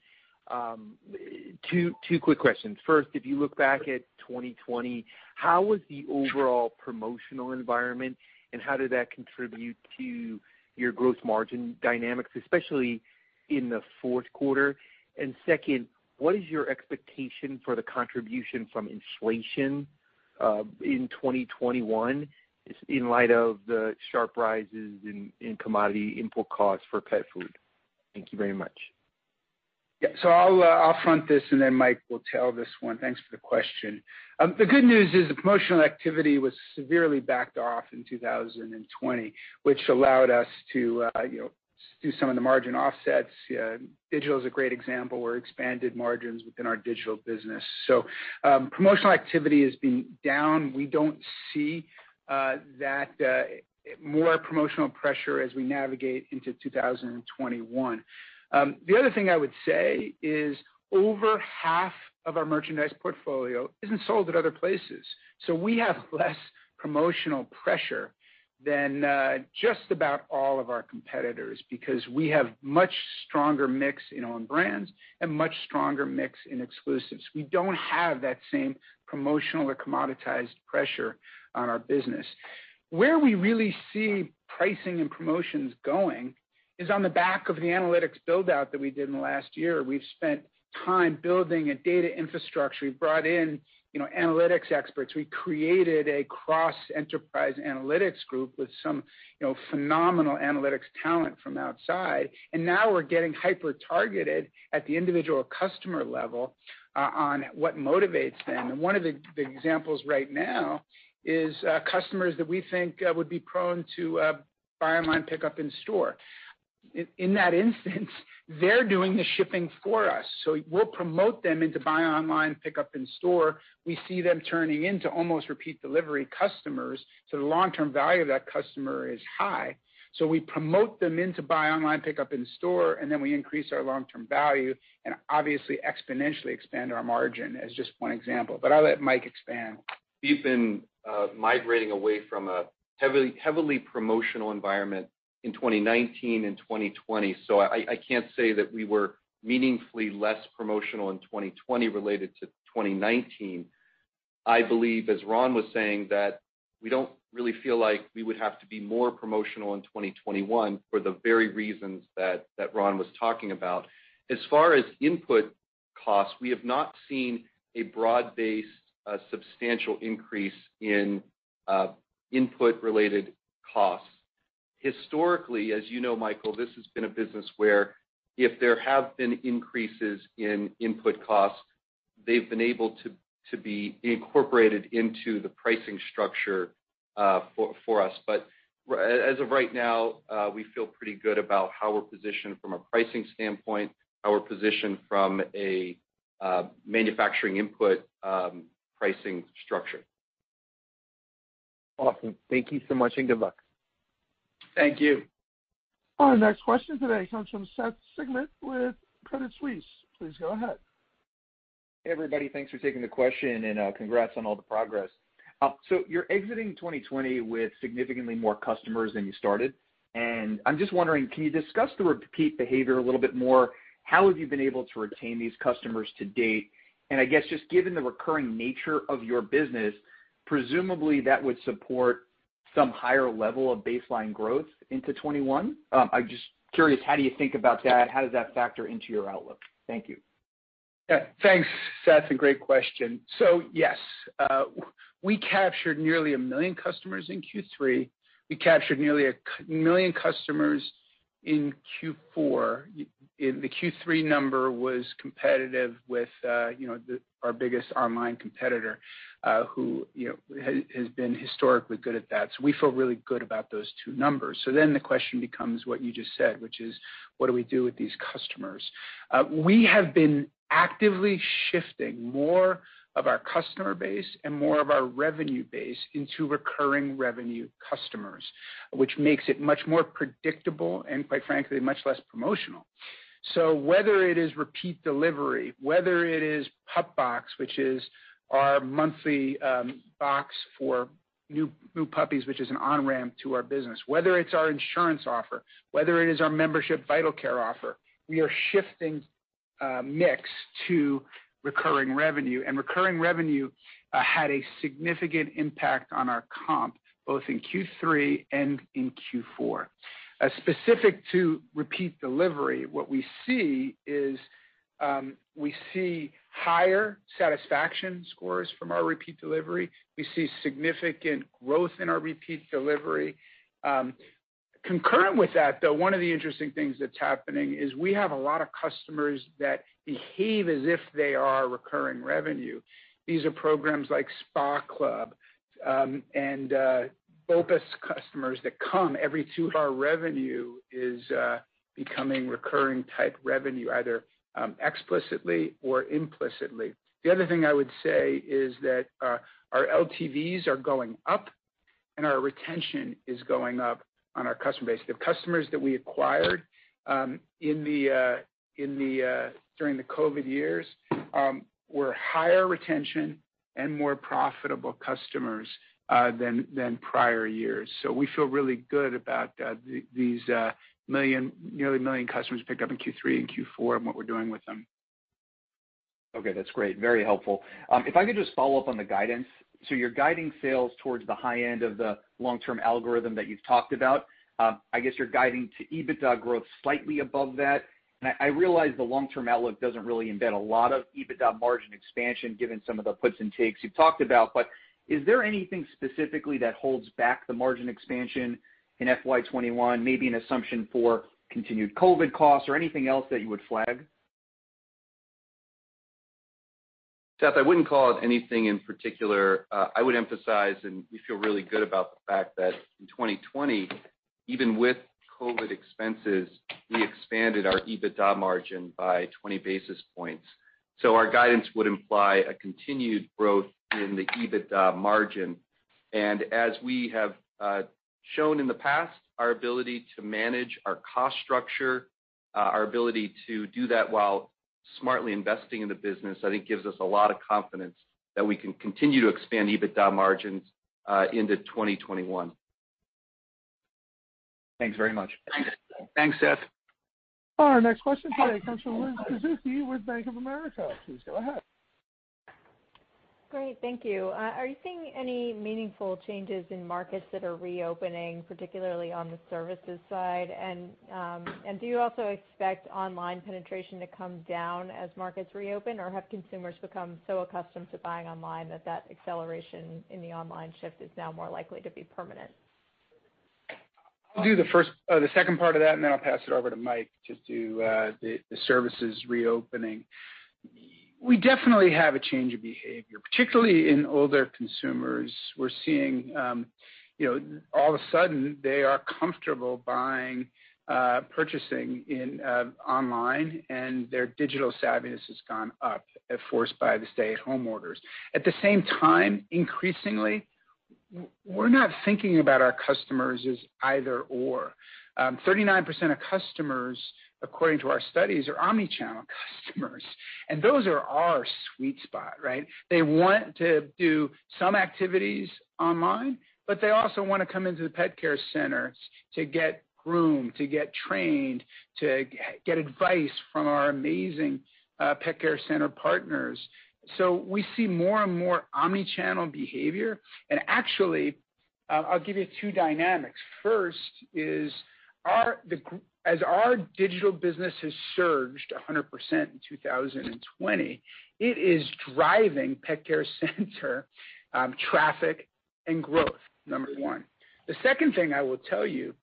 Two quick questions. First, if you look back at 2020, how was the overall promotional environment, and how did that contribute to your gross margin dynamics, especially in the fourth quarter? And second, what is your expectation for the contribution from inflation in 2021 in light of the sharp rises in commodity import costs for pet food? Thank you very much. Yeah. So I'll front this, and then Mike will tell this one. Thanks for the question. The good news is the promotional activity was severely backed off in 2020, which allowed us to do some of the margin offsets. Digital is a great example. We've expanded margins within our digital business. So promotional activity has been down. We don't see any more promotional pressure as we navigate into 2021. The other thing I would say is over half of our merchandise portfolio isn't sold at other places. So we have less promotional pressure than just about all of our competitors because we have a much stronger mix in owned brands and a much stronger mix in exclusives. We don't have that same promotional or commoditized pressure on our business. Where we really see pricing and promotions going is on the back of the analytics build-out that we did in the last year. We've spent time building a data infrastructure. We brought in analytics experts. We created a cross-enterprise analytics group with some phenomenal analytics talent from outside, and now we're getting hyper-targeted at the individual customer level on what motivates them, and one of the examples right now is customers that we think would be prone to buy online, pick up in store. In that instance, they're doing the shipping for us, so we'll promote them into buy online, pick up in store. We see them turning into almost Repeat Delivery customers, so the long-term value of that customer is high, so we promote them into buy online, pick up in store, and then we increase our long-term value and obviously exponentially expand our margin as just one example. But I'll let Mike expand. We've been migrating away from a heavily promotional environment in 2019 and 2020. So I can't say that we were meaningfully less promotional in 2020 related to 2019. I believe, as Ron was saying, that we don't really feel like we would have to be more promotional in 2021 for the very reasons that Ron was talking about. As far as input costs, we have not seen a broad-based substantial increase in input-related costs. Historically, as you know, Michael, this has been a business where if there have been increases in input costs, they've been able to be incorporated into the pricing structure for us. But as of right now, we feel pretty good about how we're positioned from a pricing standpoint, how we're positioned from a manufacturing input pricing structure. Awesome. Thank you so much and good luck. Thank you. Our next question today comes from Seth Sigman with Credit Suisse. Please go ahead. Hey, everybody. Thanks for taking the question, and congrats on all the progress. So you're exiting 2020 with significantly more customers than you started. And I'm just wondering, can you discuss the repeat behavior a little bit more? How have you been able to retain these customers to date? And I guess just given the recurring nature of your business, presumably that would support some higher level of baseline growth into 2021. I'm just curious, how do you think about that? How does that factor into your outlook? Thank you. Yeah. Thanks, Seth. A great question. So yes, we captured nearly a million customers in Q3. We captured nearly a million customers in Q4. The Q3 number was competitive with our biggest online competitor who has been historically good at that. So we feel really good about those two numbers. So then the question becomes what you just said, which is, what do we do with these customers? We have been actively shifting more of our customer base and more of our revenue base into recurring revenue customers, which makes it much more predictable and, quite frankly, much less promotional. So whether it is Repeat Delivery, whether it is PupBox, which is our monthly box for new puppies, which is an on-ramp to our business, whether it's our insurance offer, whether it is our membership Vital Care offer, we are shifting mix to recurring revenue. Recurring revenue had a significant impact on our comp, both in Q3 and in Q4. Specific Repeat Delivery, what we see is we see higher satisfaction scores from our Repeat Delivery. We see significant growth in our repeat delivery. Concurrent with that, though, one of the interesting things that's happening is we have a lot of customers that behave as if they are recurring revenue. These are programs like Spa Club and BOPUS customers that come every two. Our revenue is becoming recurring-type revenue, either explicitly or implicitly. The other thing I would say is that our LTVs are going up, and our retention is going up on our customer base. The customers that we acquired during the COVID years were higher retention and more profitable customers than prior years. We feel really good about these nearly 1 million customers picked up in Q3 and Q4 and what we're doing with them. Okay. That's great. Very helpful. If I could just follow up on the guidance. So you're guiding sales towards the high end of the long-term algorithm that you've talked about. I guess you're guiding to EBITDA growth slightly above that. And I realize the long-term outlook doesn't really embed a lot of EBITDA margin expansion given some of the puts and takes you've talked about, but is there anything specifically that holds back the margin expansion in FY 21, maybe an assumption for continued COVID costs or anything else that you would flag? Seth, I wouldn't call it anything in particular. I would emphasize, and we feel really good about the fact that in 2020, even with COVID expenses, we expanded our EBITDA margin by 20 basis points. So our guidance would imply a continued growth in the EBITDA margin. As we have shown in the past, our ability to manage our cost structure, our ability to do that while smartly investing in the business, I think gives us a lot of confidence that we can continue to expand EBITDA margins into 2021. Thanks very much. Thanks, Seth. Our next question today comes from Elizabeth Suzuki with Bank of America. Please go ahead. Great. Thank you. Are you seeing any meaningful changes in markets that are reopening, particularly on the services side? And do you also expect online penetration to come down as markets reopen, or have consumers become so accustomed to buying online that that acceleration in the online shift is now more likely to be permanent? I'll do the second part of that, and then I'll pass it over to Mike just to do the services reopening. We definitely have a change of behavior, particularly in older consumers. We're seeing all of a sudden they are comfortable purchasing online, and their digital savviness has gone up, forced by the stay-at-home orders. At the same time, increasingly, we're not thinking about our customers as either/or. 39% of customers, according to our studies, are omnichannel customers. And those are our sweet spot, right? They want to do some activities online, but they also want to come into the pet care centers to get groomed, to get trained, to get advice from our amazing pet care center partners. So we see more and more omnichannel behavior. And actually, I'll give you two dynamics. First is, as our digital business has surged 100% in 2020, it is driving pet care center traffic and growth, number one. The second thing I will tell you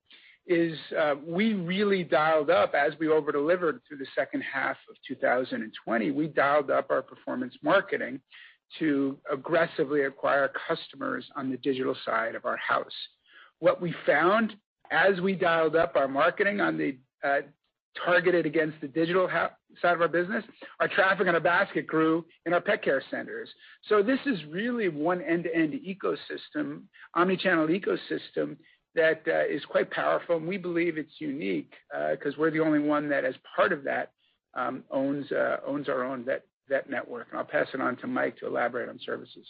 is we really dialed up as we overdelivered through the second half of 2020. We dialed up our performance marketing to aggressively acquire customers on the digital side of our house. What we found as we dialed up our marketing on the targeted against the digital side of our business, our traffic in our baskets grew in our pet care centers. So this is really one end-to-end omnichannel ecosystem that is quite powerful. And we believe it's unique because we're the only one that, as part of that, owns our own vet network. And I'll pass it on to Mike to elaborate on services.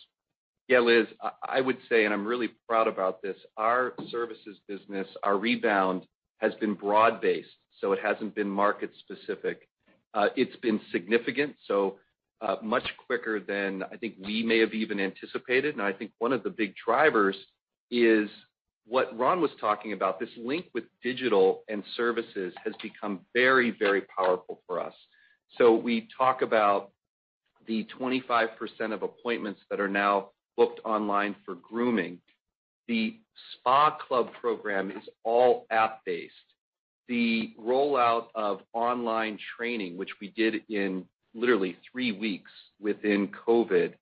Yeah, Liz, I would say, and I'm really proud about this, our services business, our rebound has been broad-based, so it hasn't been market-specific. It's been significant, so much quicker than I think we may have even anticipated. And I think one of the big drivers is what Ron was talking about. This link with digital and services has become very, very powerful for us. So we talk about the 25% of appointments that are now booked online for grooming. The Spa Club program is all app-based. The rollout of online training, which we did in literally three weeks within COVID,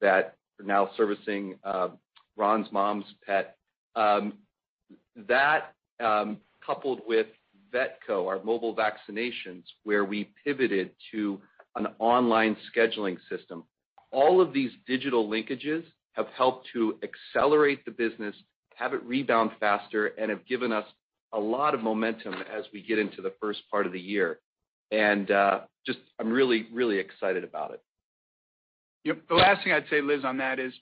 that we're now servicing Ron's mom's pet, that coupled with Vetco, our mobile vaccinations, where we pivoted to an online scheduling system. All of these digital linkages have helped to accelerate the business, have it rebound faster, and have given us a lot of momentum as we get into the first part of the year, and I'm really, really excited about it. Yep. The last thing I'd say, Liz, on that is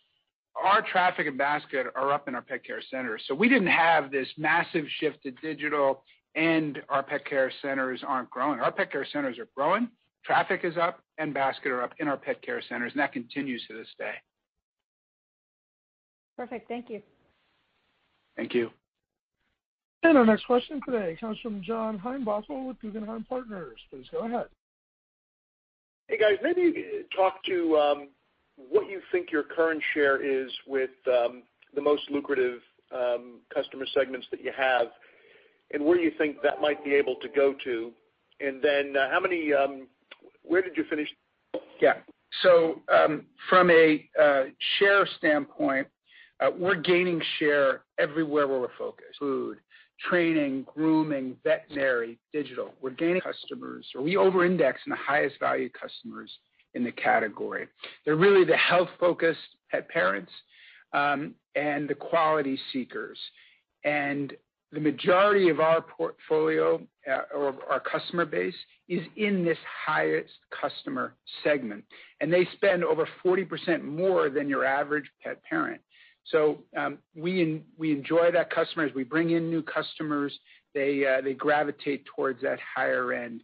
our traffic and baskets are up in our pet care centers. So we didn't have this massive shift to digital, and our pet care centers aren't growing. Our pet care centers are growing. Traffic is up, and baskets are up in our pet care centers, and that continues to this day. Perfect. Thank you. Thank you. Our next question today comes from John Heinbockel with Guggenheim Partners. Please go ahead. Hey, guys. Maybe talk to what you think your current share is with the most lucrative customer segments that you have and where you think that might be able to go to. And then where did you finish? Yeah. So from a share standpoint, we're gaining share everywhere where we're focused: food, training, grooming, veterinary, digital. We're gaining customers. We over-index on the highest value customers in the category. They're really the health-focused pet parents and the quality seekers. And the majority of our portfolio or our customer base is in this highest customer segment. And they spend over 40% more than your average pet parent. So we enjoy that customer. As we bring in new customers, they gravitate towards that higher-end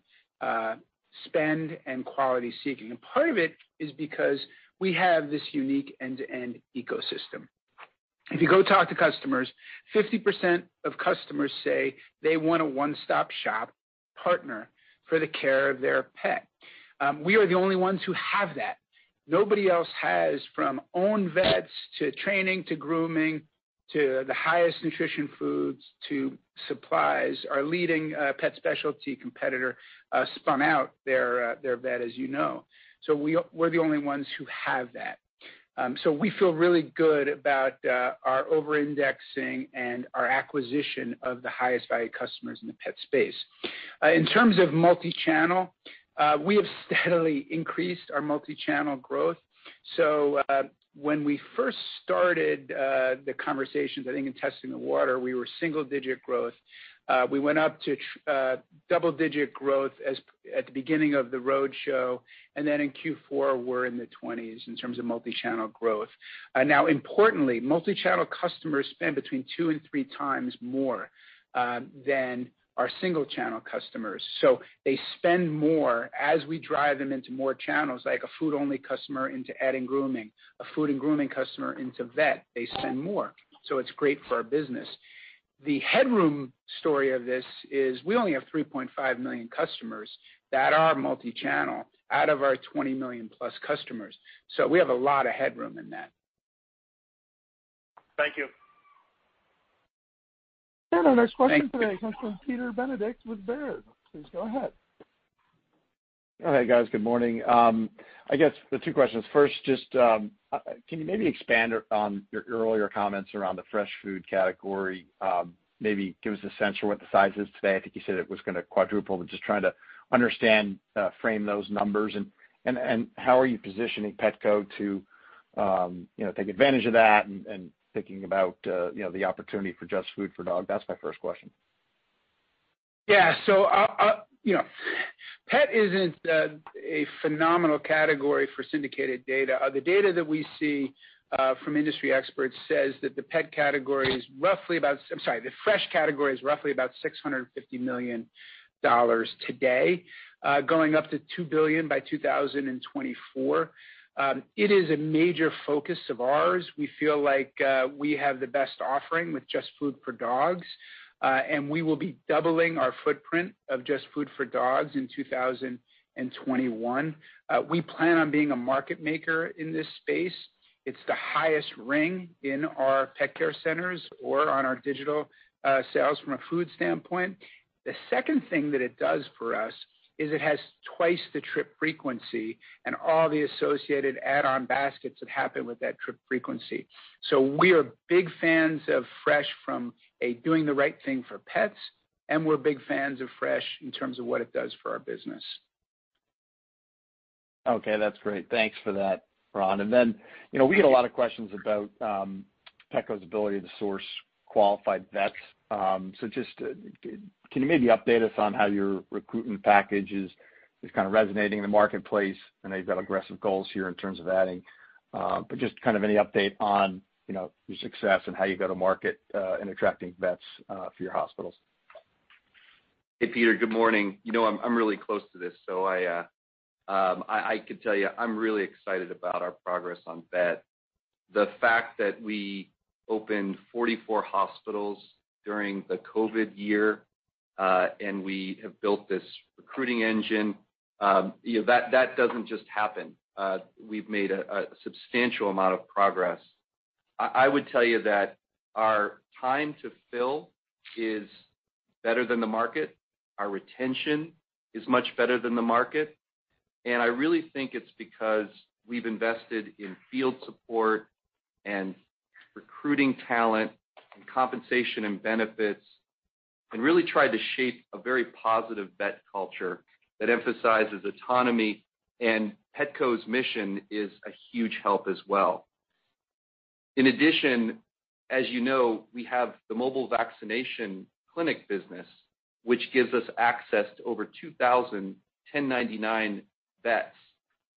spend and quality seeking. And part of it is because we have this unique end-to-end ecosystem. If you go talk to customers, 50% of customers say they want a one-stop shop partner for the care of their pet. We are the only ones who have that. Nobody else has, from own vets to training to grooming to the highest nutrition foods to supplies. Our leading pet specialty competitor spun out their vet, as you know. So we're the only ones who have that. So we feel really good about our over-indexing and our acquisition of the highest value customers in the pet space. In terms of multichannel, we have steadily increased our multichannel growth. So when we first started the conversations, I think in testing the water, we were single-digit growth. We went up to double-digit growth at the beginning of the roadshow. Then in Q4, we're in the 20s in terms of multichannel growth. Now, importantly, multichannel customers spend between two and three times more than our single-channel customers. So they spend more as we drive them into more channels, like a food-only customer into adding grooming, a food and grooming customer into vet. They spend more. So it's great for our business. The headroom story of this is we only have 3.5 million customers that are multichannel out of our 20+ million customers. So we have a lot of headroom in that. Thank you. And our next question today comes from Peter Benedict with Baird. Please go ahead. Hey, guys. Good morning. I guess the two questions. First, just can you maybe expand on your earlier comments around the fresh food category? Maybe give us a sense for what the size is today. I think you said it was going to quadruple, but just trying to understand, frame those numbers. And how are you positioning Petco to take advantage of that and thinking about the opportunity for JustFoodForDogs? That's my first question. Yeah. So pet isn't a phenomenal category for syndicated data. The data that we see from industry experts says that the pet category is roughly about - I'm sorry, the fresh category is roughly about $650 million today, going up to $2 billion by 2024. It is a major focus of ours. We feel like we have the best offering with JustFoodForDogs, and we will be doubling our footprint of JustFoodForDogs in 2021. We plan on being a market maker in this space. It's the highest ring in our pet care centers or on our digital sales from a food standpoint. The second thing that it does for us is it has twice the trip frequency and all the associated add-on baskets that happen with that trip frequency. So we are big fans of fresh, from doing the right thing for pets, and we're big fans of fresh in terms of what it does for our business. Okay. That's great. Thanks for that, Ron. And then we get a lot of questions about Petco's ability to source qualified vets. So just can you maybe update us on how your recruitment package is kind of resonating in the marketplace? I know you've got aggressive goals here in terms of adding, but just kind of any update on your success and how you go to market in attracting vets for your hospitals? Hey, Peter. Good morning. I'm really close to this. So I could tell you I'm really excited about our progress on vet. The fact that we opened 44 hospitals during the COVID year and we have built this recruiting engine, that doesn't just happen. We've made a substantial amount of progress. I would tell you that our time to fill is better than the market. Our retention is much better than the market. And I really think it's because we've invested in field support and recruiting talent and compensation and benefits and really tried to shape a very positive vet culture that emphasizes autonomy. And Petco's mission is a huge help as well. In addition, as you know, we have the mobile vaccination clinic business, which gives us access to over 2,000 1099 vets.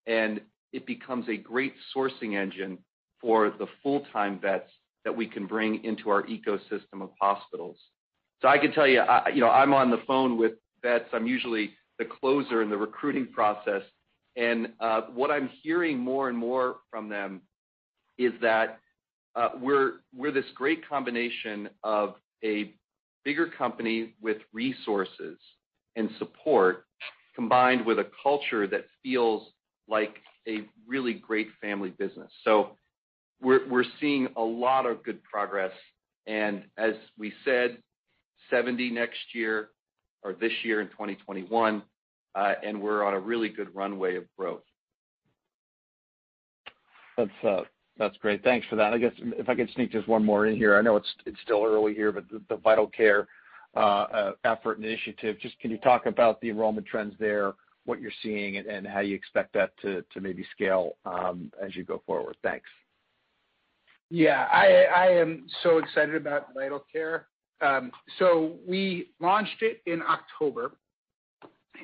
And it becomes a great sourcing engine for the full-time vets that we can bring into our ecosystem of hospitals. So I could tell you I'm on the phone with vets. I'm usually the closer in the recruiting process. And what I'm hearing more and more from them is that we're this great combination of a bigger company with resources and support combined with a culture that feels like a really great family business. So we're seeing a lot of good progress. And as we said, 70 next year or this year in 2021, and we're on a really good runway of growth. That's great. Thanks for that. I guess if I could sneak just one more in here. I know it's still early here, but the Vital Care effort initiative, just can you talk about the enrollment trends there, what you're seeing, and how you expect that to maybe scale as you go forward? Thanks. Yeah. I am so excited about Vital Care. So we launched it in October,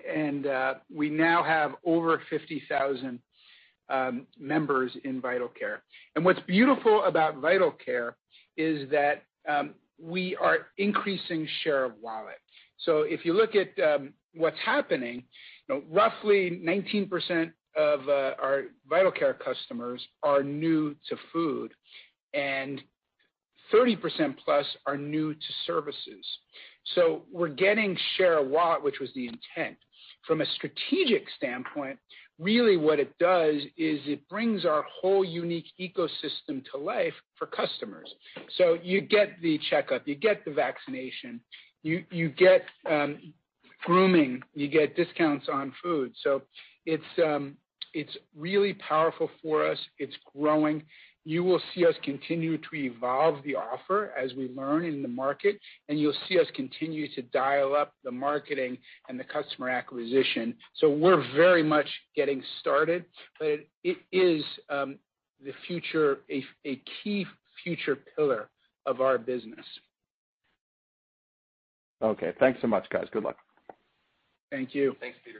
and we now have over 50,000 members in Vital Care. And what's beautiful about Vital Care is that we are increasing share of wallet. So if you look at what's happening, roughly 19% of our Vital Care customers are new to food, and 30%+ are new to services. So we're getting share of wallet, which was the intent. From a strategic standpoint, really what it does is it brings our whole unique ecosystem to life for customers. So you get the checkup. You get the vaccination. You get grooming. You get discounts on food. So it's really powerful for us. It's growing. You will see us continue to evolve the offer as we learn in the market, and you'll see us continue to dial up the marketing and the customer acquisition. So we're very much getting started, but it is the future, a key future pillar of our business. Okay. Thanks so much, guys. Good luck. Thank you. Thanks, Peter.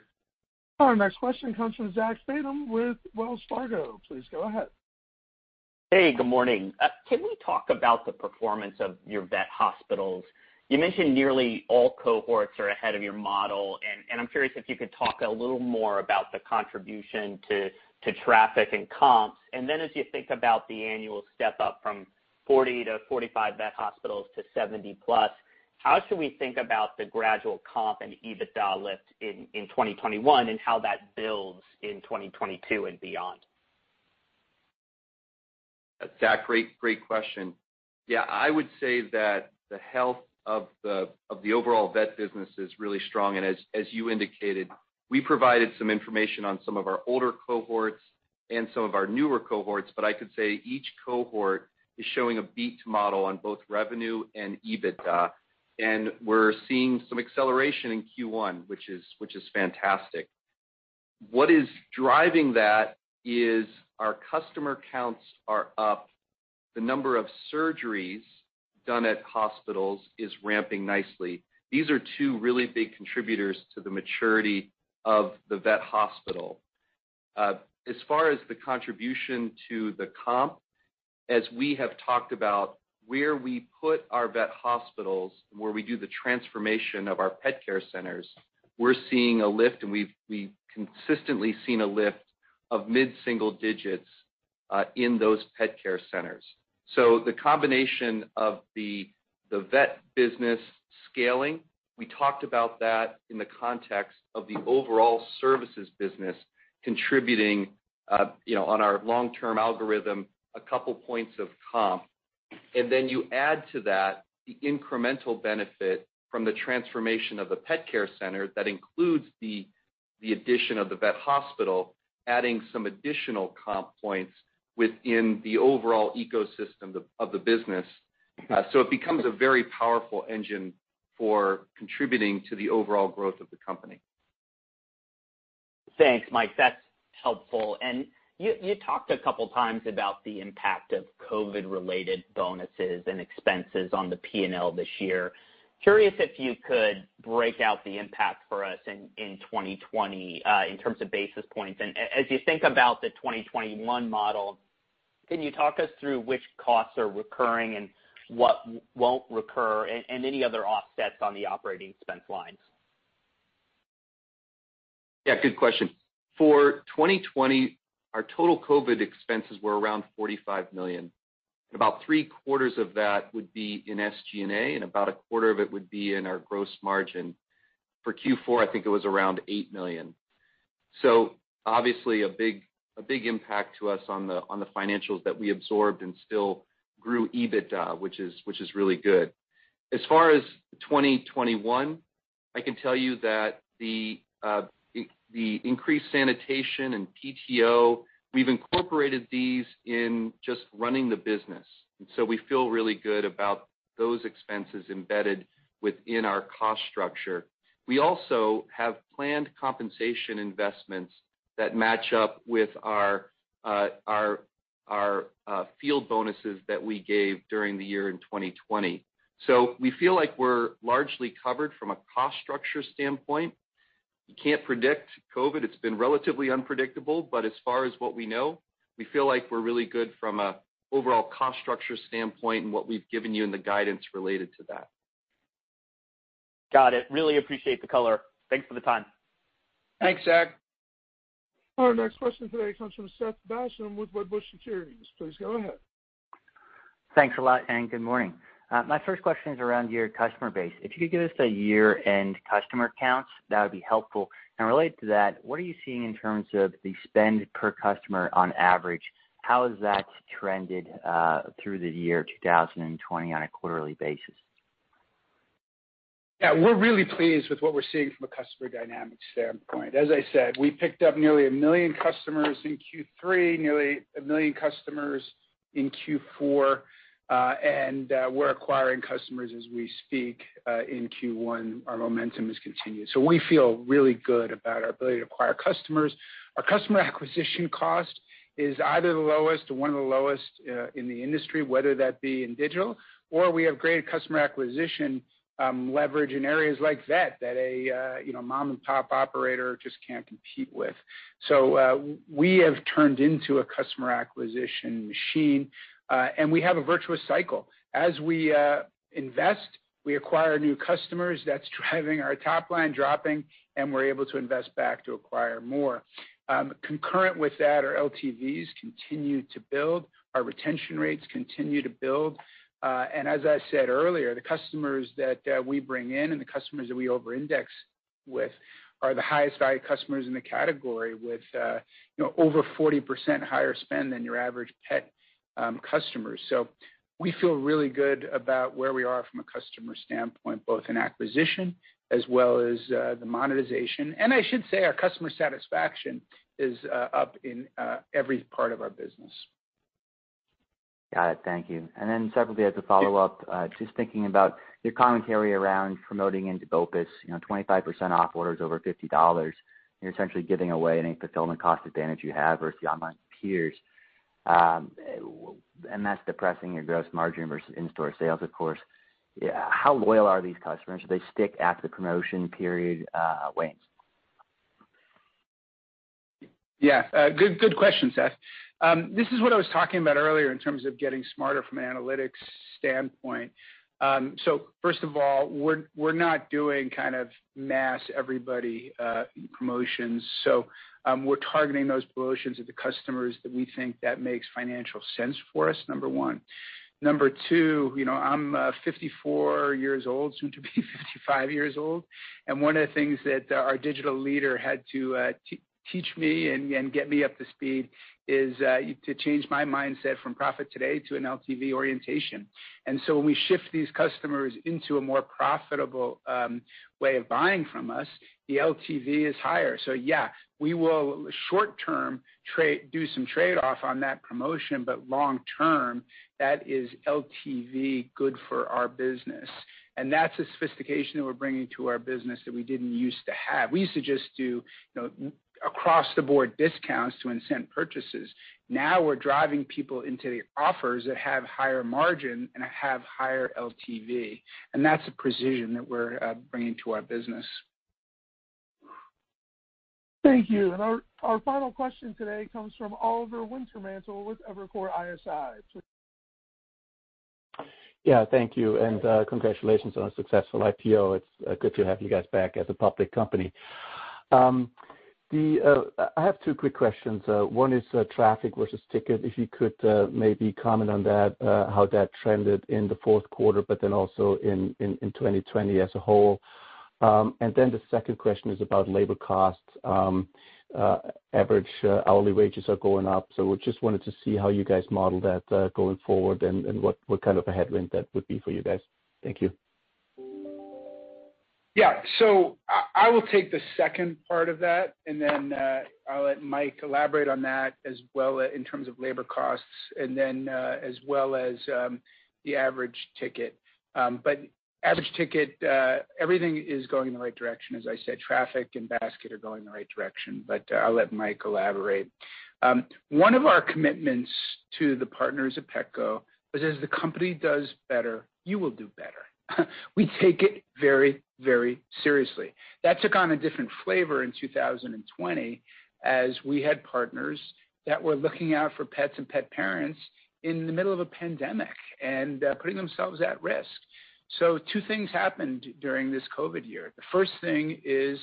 Our next question comes from Zach Fadem with Wells Fargo. Please go ahead. Hey, good morning. Can we talk about the performance of your vet hospitals? You mentioned nearly all cohorts are ahead of your model. And I'm curious if you could talk a little more about the contribution to traffic and comps. And then as you think about the annual step-up from 40-45 vet hospitals to 70+, how should we think about the gradual comp and EBITDA lift in 2021 and how that builds in 2022 and beyond? Zach, great question. Yeah. I would say that the health of the overall vet business is really strong, and as you indicated, we provided some information on some of our older cohorts and some of our newer cohorts, but I could say each cohort is showing a beat model on both revenue and EBITDA, and we're seeing some acceleration in Q1, which is fantastic. What is driving that is our customer counts are up. The number of surgeries done at hospitals is ramping nicely. These are two really big contributors to the maturity of the vet hospital. As far as the contribution to the comp, as we have talked about, where we put our vet hospitals and where we do the transformation of our pet care centers, we're seeing a lift, and we've consistently seen a lift of mid-single digits in those pet care centers. So the combination of the vet business scaling, we talked about that in the context of the overall services business contributing on our long-term algorithm a couple points of comp. And then you add to that the incremental benefit from the transformation of the pet care center that includes the addition of the vet hospital, adding some additional comp points within the overall ecosystem of the business. So it becomes a very powerful engine for contributing to the overall growth of the company. Thanks, Mike. That's helpful. And you talked a couple of times about the impact of COVID-related bonuses and expenses on the P&L this year. Curious if you could break out the impact for us in 2020 in terms of basis points. And as you think about the 2021 model, can you talk us through which costs are recurring and what won't recur and any other offsets on the operating expense lines? Yeah. Good question. For 2020, our total COVID expenses were around $45 million. About 3/4 of that would be in SG&A, and about a quarter of it would be in our gross margin. For Q4, I think it was around $8 million. So obviously, a big impact to us on the financials that we absorbed and still grew EBITDA, which is really good. As far as 2021, I can tell you that the increased sanitation and PTO, we've incorporated these in just running the business. And so we feel really good about those expenses embedded within our cost structure. We also have planned compensation investments that match up with our field bonuses that we gave during the year in 2020. So we feel like we're largely covered from a cost structure standpoint. You can't predict COVID. It's been relatively unpredictable. But as far as what we know, we feel like we're really good from an overall cost structure standpoint and what we've given you in the guidance related to that. Got it. Really appreciate the color. Thanks for the time. Thanks, Zach. Our next question today comes from Seth Basham with Wedbush Securities. Please go ahead. Thanks a lot, and good morning. My first question is around your customer base. If you could give us a year-end customer count, that would be helpful. And related to that, what are you seeing in terms of the spend per customer on average? How has that trended through the year 2020 on a quarterly basis? Yeah. We're really pleased with what we're seeing from a customer dynamic standpoint. As I said, we picked up nearly a million customers in Q3, nearly a million customers in Q4, and we're acquiring customers as we speak. In Q1, our momentum has continued. So we feel really good about our ability to acquire customers. Our customer acquisition cost is either the lowest or one of the lowest in the industry, whether that be in digital, or we have great customer acquisition leverage in areas like vet that a mom-and-pop operator just can't compete with. So we have turned into a customer acquisition machine, and we have a virtuous cycle. As we invest, we acquire new customers. That's driving our top line dropping, and we're able to invest back to acquire more. Concurrent with that, our LTVs continue to build. Our retention rates continue to build. And as I said earlier, the customers that we bring in and the customers that we over-index with are the highest-value customers in the category with over 40% higher spend than your average pet customers. So we feel really good about where we are from a customer standpoint, both in acquisition as well as the monetization. And I should say our customer satisfaction is up in every part of our business. Got it. Thank you. And then separately, as a follow-up, just thinking about your commentary around promoting into omnichannel, 25% off orders over $50. You're essentially giving away any fulfillment cost advantage you have versus the online peers. And that's depressing your gross margin versus in-store sales, of course. How loyal are these customers? Do they stick after the promotion period wanes? Yeah. Good question, Seth. This is what I was talking about earlier in terms of getting smarter from an analytics standpoint. So first of all, we're not doing kind of mass everybody promotions. So we're targeting those promotions at the customers that we think that makes financial sense for us, number one. Number two, I'm 54 years old, soon to be 55 years old. And one of the things that our digital leader had to teach me and get me up to speed is to change my mindset from profit today to an LTV orientation. And so when we shift these customers into a more profitable way of buying from us, the LTV is higher. So yeah, we will short-term do some trade-off on that promotion, but long-term, that is LTV good for our business. And that's a sophistication that we're bringing to our business that we didn't use to have. We used to just do across-the-board discounts to incent purchases. Now we're driving people into the offers that have higher margin and have higher LTV. And that's a precision that we're bringing to our business. Thank you. And our final question today comes from Oliver Wintermantel with Evercore ISI. Yeah. Thank you. And congratulations on a successful IPO. It's good to have you guys back as a public company. I have two quick questions. One is traffic versus ticket. If you could maybe comment on that, how that trended in the fourth quarter, but then also in 2020 as a whole. And then the second question is about labor costs. Average hourly wages are going up. So we just wanted to see how you guys model that going forward and what kind of a headwind that would be for you guys. Thank you. Yeah. So I will take the second part of that, and then I'll let Mike elaborate on that as well in terms of labor costs as well as the average ticket. But average ticket, everything is going in the right direction. As I said, traffic and baskets are going in the right direction, but I'll let Mike elaborate. One of our commitments to the partners at Petco is as the company does better, you will do better. We take it very, very seriously. That took on a different flavor in 2020 as we had partners that were looking out for pets and pet parents in the middle of a pandemic and putting themselves at risk. So two things happened during this COVID year. The first thing is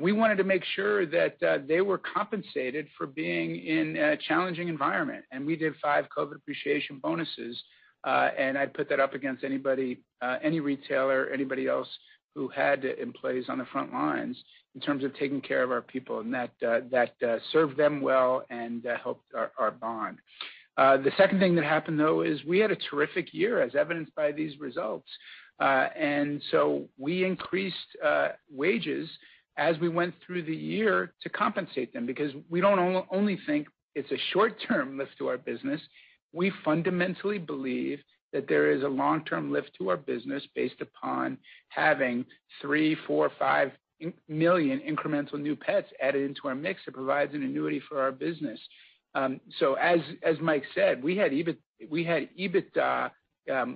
we wanted to make sure that they were compensated for being in a challenging environment. And we did five COVID appreciation bonuses, and I'd put that up against any retailer, anybody else who had employees on the front lines in terms of taking care of our people, and that served them well and helped our bond. The second thing that happened, though, is we had a terrific year as evidenced by these results. And so we increased wages as we went through the year to compensate them because we don't only think it's a short-term lift to our business. We fundamentally believe that there is a long-term lift to our business based upon having three, four, five million incremental new pets added into our mix. It provides an annuity for our business. So as Mike said, we had EBITDA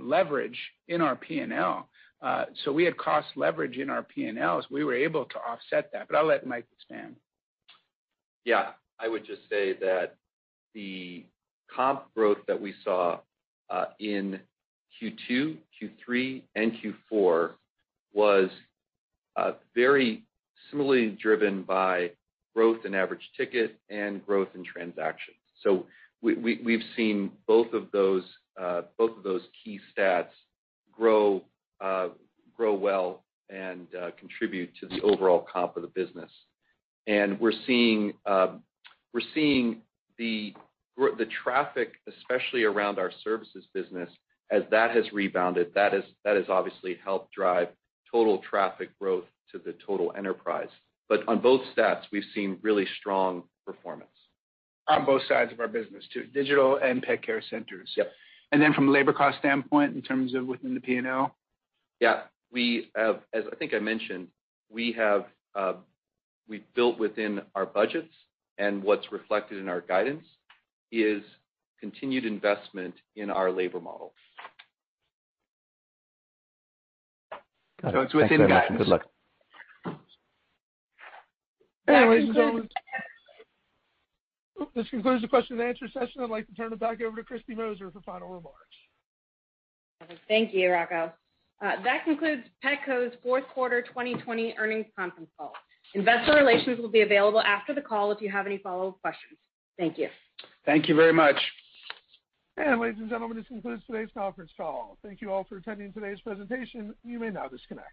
leverage in our P&L. So we had cost leverage in our P&Ls. We were able to offset that. But I'll let Mike expand. Yeah. I would just say that the comp growth that we saw in Q2, Q3, and Q4 was very similarly driven by growth in average ticket and growth in transactions. So we've seen both of those key stats grow well and contribute to the overall comp of the business. And we're seeing the traffic, especially around our services business, as that has rebounded. That has obviously helped drive total traffic growth to the total enterprise. But on both stats, we've seen really strong performance. On both sides of our business, too, digital and pet care centers. Yep. Then from a labor cost standpoint in terms of within the P&L? Yeah. As I think I mentioned, we've built within our budgets, and what's reflected in our guidance is continued investment in our labor model. It's within guidance. Good luck. Thank you, guys. This concludes the question-and-answer session. I'd like to turn it back over to Kristy Moser for final remarks. Thank you, operator. That concludes Petco's Fourth Quarter 2020 Earnings Conference Call. Investor Relations will be available after the call if you have any follow-up questions. Thank you. Thank you very much. Ladies and gentlemen, this concludes today's conference call. Thank you all for attending today's presentation. You may now disconnect.